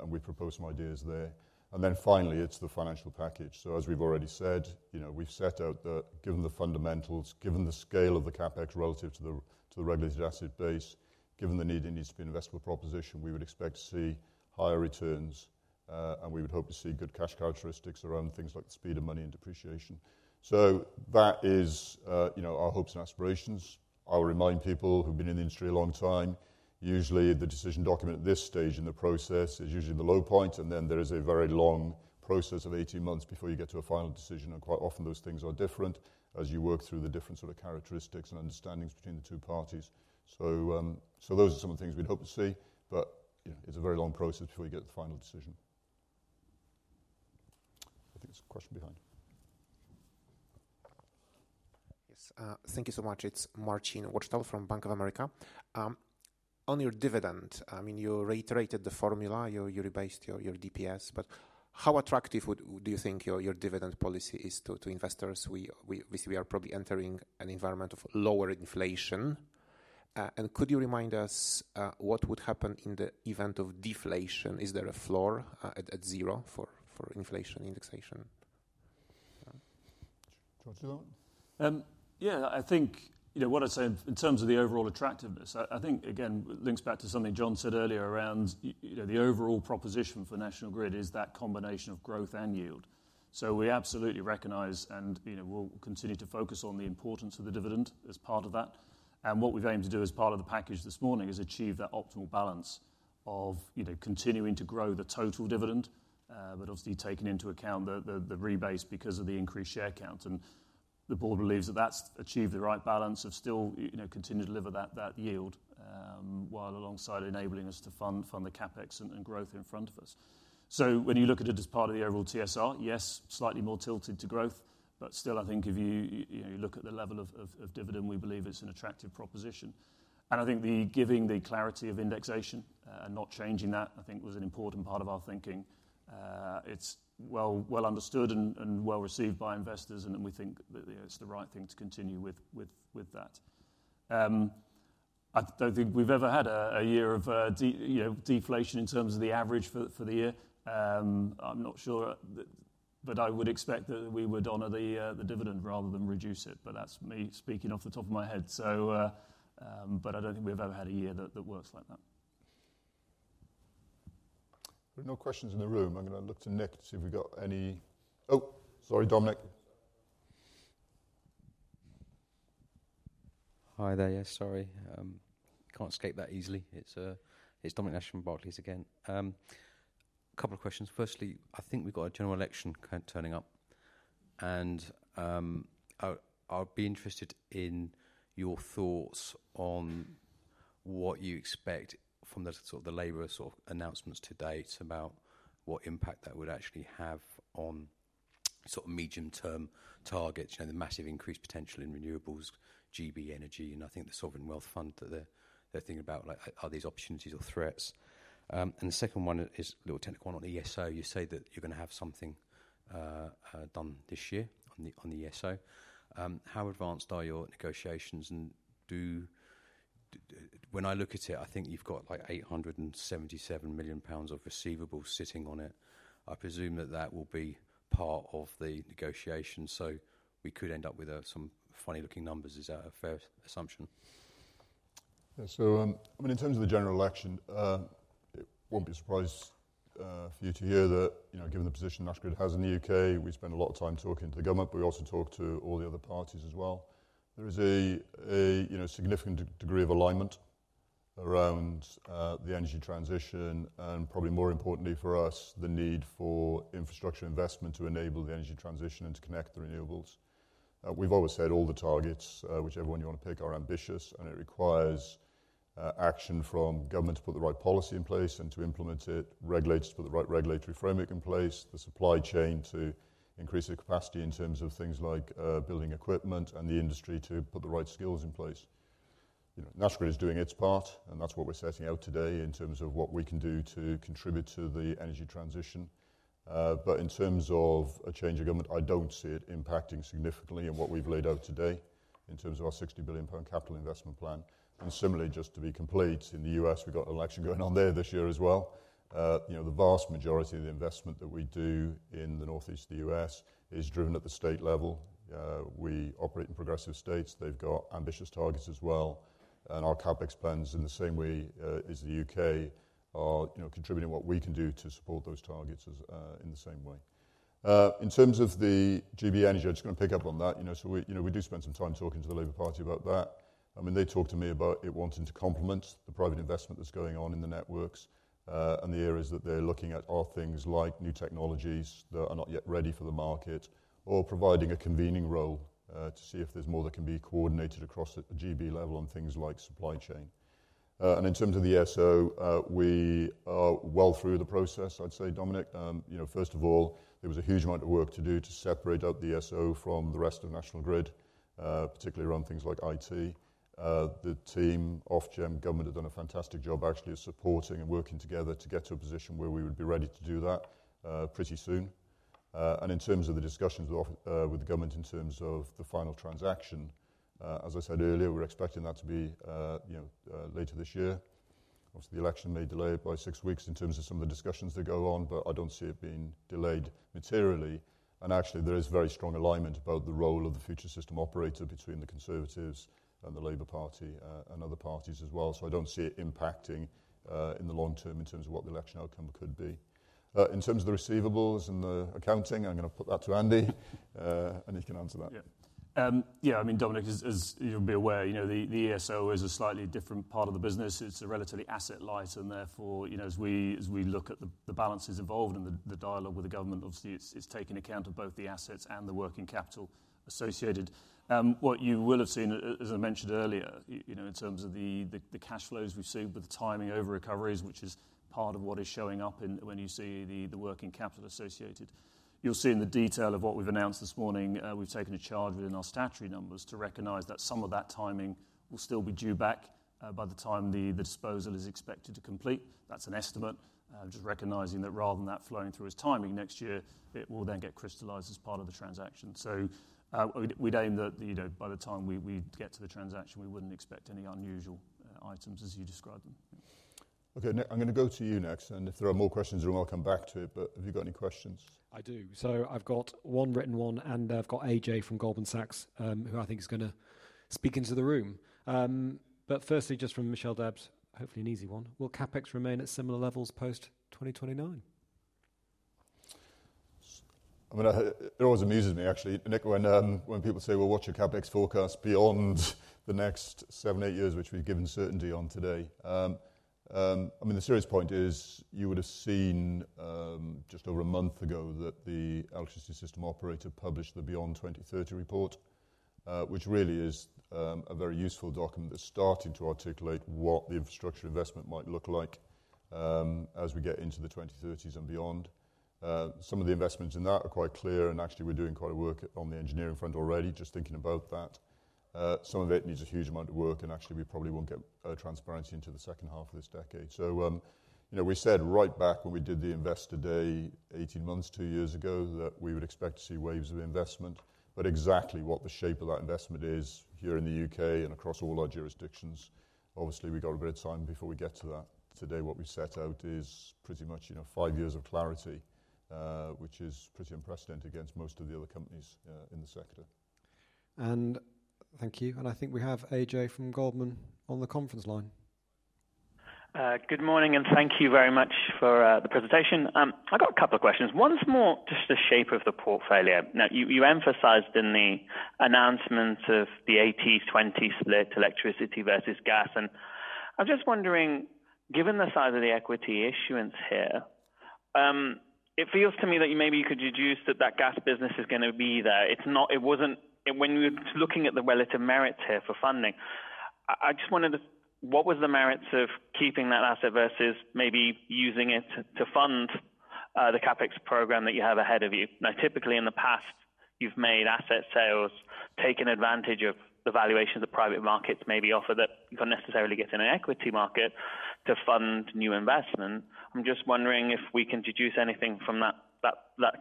and we propose some ideas there. And then finally, it's the financial package. So as we've already said, you know, we've set out that given the fundamentals, given the scale of the CapEx relative to the Regulated Asset Base, given the need, it needs to be an investable proposition, we would expect to see higher returns, and we would hope to see good cash characteristics around things like the speed of money and depreciation. So that is, you know, our hopes and aspirations. I will remind people who've been in the industry a long time, usually the decision document at this stage in the process is usually the low point, and then there is a very long process of 18 months before you get to a final decision. Quite often those things are different as you work through the different sort of characteristics and understandings between the two parties. So, those are some of the things we'd hope to see, but, you know, it's a very long process before we get the final decision. I think there's a question behind. Yes, thank you so much. It's Marcin Wojtal from Bank of America. On your dividend, I mean, you reiterated the formula, you rebased your DPS, but how attractive would—do you think your dividend policy is to investors? We are probably entering an environment of lower inflation. And could you remind us what would happen in the event of deflation? Is there a floor at zero for inflation indexation? Do you want to do that one? Yeah, I think, you know, what I'd say in terms of the overall attractiveness, I think, again, it links back to something John said earlier around you know, the overall proposition for National Grid is that combination of growth and yield. So we absolutely recognize and, you know, we'll continue to focus on the importance of the dividend as part of that. And what we've aimed to do as part of the package this morning is achieve that optimal balance of, you know, continuing to grow the total dividend, but obviously taking into account the rebase because of the increased share count. And the board believes that that's achieved the right balance of still, you know, continue to deliver that yield, while alongside enabling us to fund the CapEx and growth in front of us. So when you look at it as part of the overall TSR, yes, slightly more tilted to growth, but still, I think if you look at the level of dividend, we believe it's an attractive proposition. And I think giving the clarity of indexation and not changing that, I think was an important part of our thinking. It's well understood and well-received by investors, and we think that, you know, it's the right thing to continue with that. I don't think we've ever had a year of deflation in terms of the average for the year. I'm not sure, but I would expect that we would honor the dividend rather than reduce it, but that's me speaking off the top of my head. But I don't think we've ever had a year that works like that. There are no questions in the room. I'm going to look to Nick to see if we've got any... Oh, sorry, Dominic. Hi there. Yeah, sorry. Can't escape that easily. It's Dominic Nash from Barclays again. A couple of questions. Firstly, I think we've got a general election kind of turning up, and I'd be interested in your thoughts on what you expect from the sort of the Labour sort of announcements to date, about what impact that would actually have on sort of medium-term targets, you know, the massive increase potential in renewables, GB Energy, and I think the sovereign wealth fund that they're thinking about, like, are these opportunities or threats? And the second one is a little technical one on the ESO. You say that you're going to have something done this year on the ESO. How advanced are your negotiations, and do... When I look at it, I think you've got, like, 877 million pounds of receivables sitting on it. I presume that that will be part of the negotiation, so we could end up with some funny-looking numbers. Is that a fair assumption? Yeah. So, I mean, in terms of the general election, it won't be a surprise, for you to hear that, you know, given the position National Grid has in the UK, we spend a lot of time talking to the government, but we also talk to all the other parties as well. There is a, you know, significant degree of alignment around, the energy transition, and probably more importantly for us, the need for infrastructure investment to enable the energy transition and to connect the renewables. We've always said all the targets, whichever one you want to pick, are ambitious, and it requires action from government to put the right policy in place and to implement it, regulators to put the right regulatory framework in place, the supply chain to increase the capacity in terms of things like building equipment and the industry to put the right skills in place. You know, National Grid is doing its part, and that's what we're setting out today in terms of what we can do to contribute to the energy transition. But in terms of a change of government, I don't see it impacting significantly in what we've laid out today in terms of our 60 billion pound capital investment plan. Similarly, just to be complete, in the US, we've got an election going on there this year as well. You know, the vast majority of the investment that we do in the Northeast of the U.S. is driven at the state level. We operate in progressive states. They've got ambitious targets as well. And our CapEx plans, in the same way, as the UK, are, you know, contributing what we can do to support those targets as, in the same way. In terms of the GB Energy, I'm just going to pick up on that. You know, so we, you know, we do spend some time talking to the Labour Party about that. I mean, they talk to me about it wanting to complement the private investment that's going on in the networks, and the areas that they're looking at are things like new technologies that are not yet ready for the market or providing a convening role, to see if there's more that can be coordinated across at the GB level on things like supply chain. And in terms of the ESO, we are well through the process, I'd say, Dominic. You know, first of all, there was a huge amount of work to do to separate out the ESO from the rest of National Grid, particularly around things like IT. The team, Ofgem, government, have done a fantastic job actually of supporting and working together to get to a position where we would be ready to do that, pretty soon. And in terms of the discussions with Ofgem, with the government, in terms of the final transaction, as I said earlier, we're expecting that to be, you know, later this year. Obviously, the election may delay it by six weeks in terms of some of the discussions that go on, but I don't see it being delayed materially. And actually, there is very strong alignment about the role of the Future System Operator between the Conservatives and the Labour Party, and other parties as well. So I don't see it impacting, in the long term in terms of what the election outcome could be. In terms of the receivables and the accounting, I'm gonna put that to Andy, and he can answer that. Yeah. Yeah, I mean, Dominic, as you'll be aware, you know, the ESO is a slightly different part of the business. It's a relatively asset light and therefore, you know, as we look at the balances involved and the dialogue with the government, obviously, it's taking account of both the assets and the working capital associated. What you will have seen, as I mentioned earlier, you know, in terms of the cash flows we've seen with the timing over recoveries, which is part of what is showing up in—when you see the working capital associated. You'll see in the detail of what we've announced this morning, we've taken a charge within our statutory numbers to recognize that some of that timing will still be due back by the time the disposal is expected to complete. That's an estimate, just recognizing that rather than that flowing through as timing next year, it will then get crystallized as part of the transaction. So, we'd aim that, you know, by the time we get to the transaction, we wouldn't expect any unusual items as you described them. Okay, Nick, I'm gonna go to you next, and if there are more questions, then I'll come back to it, but have you got any questions? I do. So I've got one written one, and I've got Ajay from Goldman Sachs, who I think is gonna speak into the room. But firstly, just from Michel Debs, hopefully an easy one: Will CapEx remain at similar levels post-2029? I mean, it always amuses me, actually, Nick, when people say, "Well, what's your CapEx forecast beyond the next 7, 8 years, which we've given certainty on today?" I mean, the serious point is, you would have seen just over a month ago that the Electricity System Operator published the Beyond 2030 report, which really is a very useful document that's starting to articulate what the infrastructure investment might look like, as we get into the 2030s and beyond. Some of the investments in that are quite clear, and actually, we're doing quite a work on the engineering front already, just thinking about that. Some of it needs a huge amount of work, and actually, we probably won't get transparency into the second half of this decade. So, you know, we said right back when we did the Investor Day 18 months, 2 years ago, that we would expect to see waves of investment. But exactly what the shape of that investment is here in the U.K. and across all our jurisdictions, obviously, we got a bit of time before we get to that. Today, what we set out is pretty much, you know, 5 years of clarity, which is pretty unprecedented against most of the other companies, in the sector. Thank you. I think we have AJ from Goldman on the conference line. Good morning, and thank you very much for the presentation. I got a couple of questions. One is more just the shape of the portfolio. Now, you emphasized in the announcements of the 80-20 split, electricity versus gas, and I'm just wondering, given the size of the equity issuance here, it feels to me that you maybe could deduce that that gas business is gonna be there. It's not. It wasn't. When you were looking at the relative merits here for funding, I just wondered, what was the merits of keeping that asset versus maybe using it to fund the CapEx program that you have ahead of you? Now, typically, in the past, you've made asset sales, taken advantage of the valuation the private markets maybe offer that you can't necessarily get in an equity market to fund new investment. I'm just wondering if we can deduce anything from that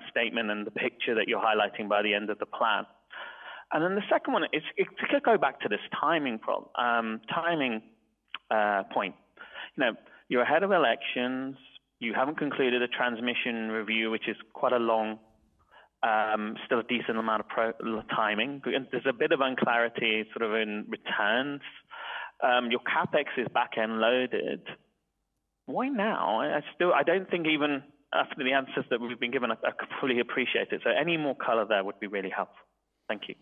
statement and the picture that you're highlighting by the end of the plan. And then the second one, it's just go back to this timing problem point. Now, you're ahead of elections. You haven't concluded a transmission review, which is quite a long, still a decent amount of process timing. There's a bit of unclarity sort of in returns. Your CapEx is back-end loaded. Why now? I still don't think even after the answers that we've been given, I fully appreciate it. So any more color there would be really helpful. Thank you.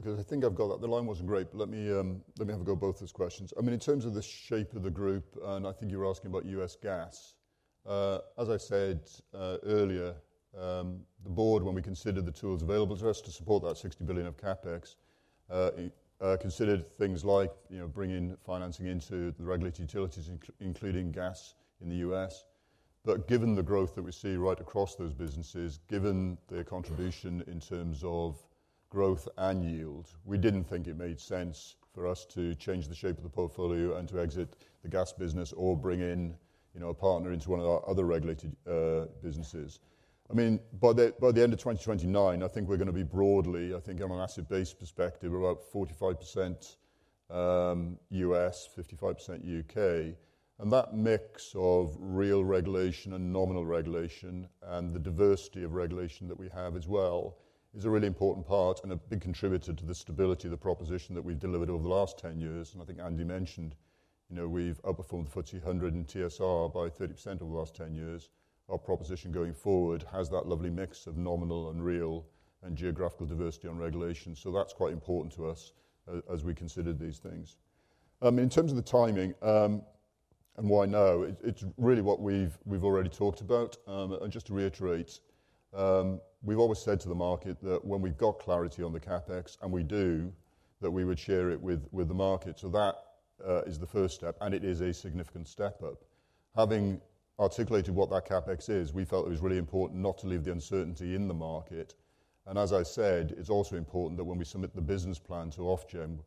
Okay, I think I've got that. The line wasn't great, but let me have a go at both those questions. I mean, in terms of the shape of the group, and I think you were asking about US gas. As I said earlier, the board, when we considered the tools available to us to support that 60 billion of CapEx, considered things like, you know, bringing financing into the regulated utilities, including gas in the US. But given the growth that we see right across those businesses, given their contribution in terms of growth and yield, we didn't think it made sense for us to change the shape of the portfolio and to exit the gas business or bring in, you know, a partner into one of our other regulated businesses. I mean, by the end of 2029, I think we're gonna be broadly, I think on an asset base perspective, about 45% US, 55% UK. And that mix of real regulation and nominal regulation, and the diversity of regulation that we have as well, is a really important part and a big contributor to the stability of the proposition that we've delivered over the last 10 years. And I think Andy mentioned, you know, we've outperformed the FTSE 100 in TSR by 30% over the last 10 years. Our proposition going forward has that lovely mix of nominal and real and geographical diversity on regulation, so that's quite important to us as we consider these things. In terms of the timing, and why now, it's really what we've already talked about. Just to reiterate, we've always said to the market that when we've got clarity on the CapEx, and we do, that we would share it with the market. That is the first step, and it is a significant step up. Having articulated what that CapEx is, we felt it was really important not to leave the uncertainty in the market. As I said, it's also important that when we submit the business plan to Ofgem,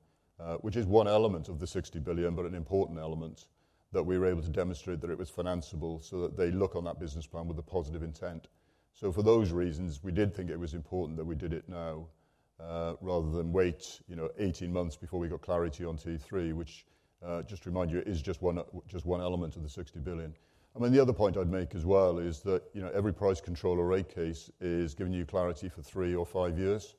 which is one element of the 60 billion, but an important element, that we were able to demonstrate that it was financeable so that they look on that business plan with a positive intent. So for those reasons, we did think it was important that we did it now rather than wait, you know, 18 months before we got clarity on T3, which just to remind you, is just one element of the £60 billion. I mean, the other point I'd make as well is that, you know, every price control or rate case is giving you clarity for three or five years.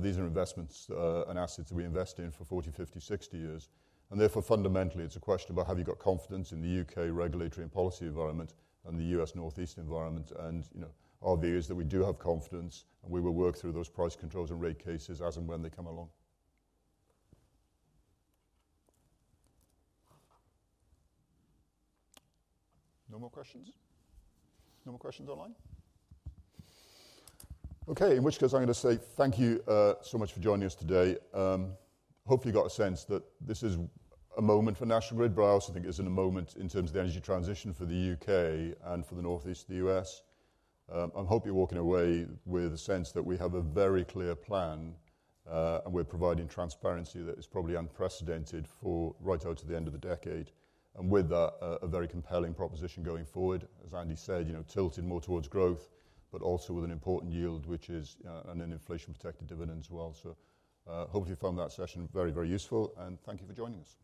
These are investments and assets that we invest in for 40, 50, 60 years. And therefore, fundamentally, it's a question about have you got confidence in the U.K. regulatory and policy environment and the U.S. Northeast environment? And, you know, our view is that we do have confidence, and we will work through those price controls and rate cases as and when they come along. No more questions? No more questions online? Okay, in which case, I'm gonna say thank you, so much for joining us today. Hopefully, you got a sense that this is a moment for National Grid, but I also think it's in a moment in terms of the energy transition for the U.K. and for the Northeast of the U.S. I hope you're walking away with a sense that we have a very clear plan, and we're providing transparency that is probably unprecedented for right out to the end of the decade, and with that, a, a very compelling proposition going forward, as Andy said, you know, tilted more towards growth, but also with an important yield, which is, and an inflation-protected dividend as well. So, hopefully, you found that session very, very useful, and thank you for joining us.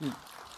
Thank you.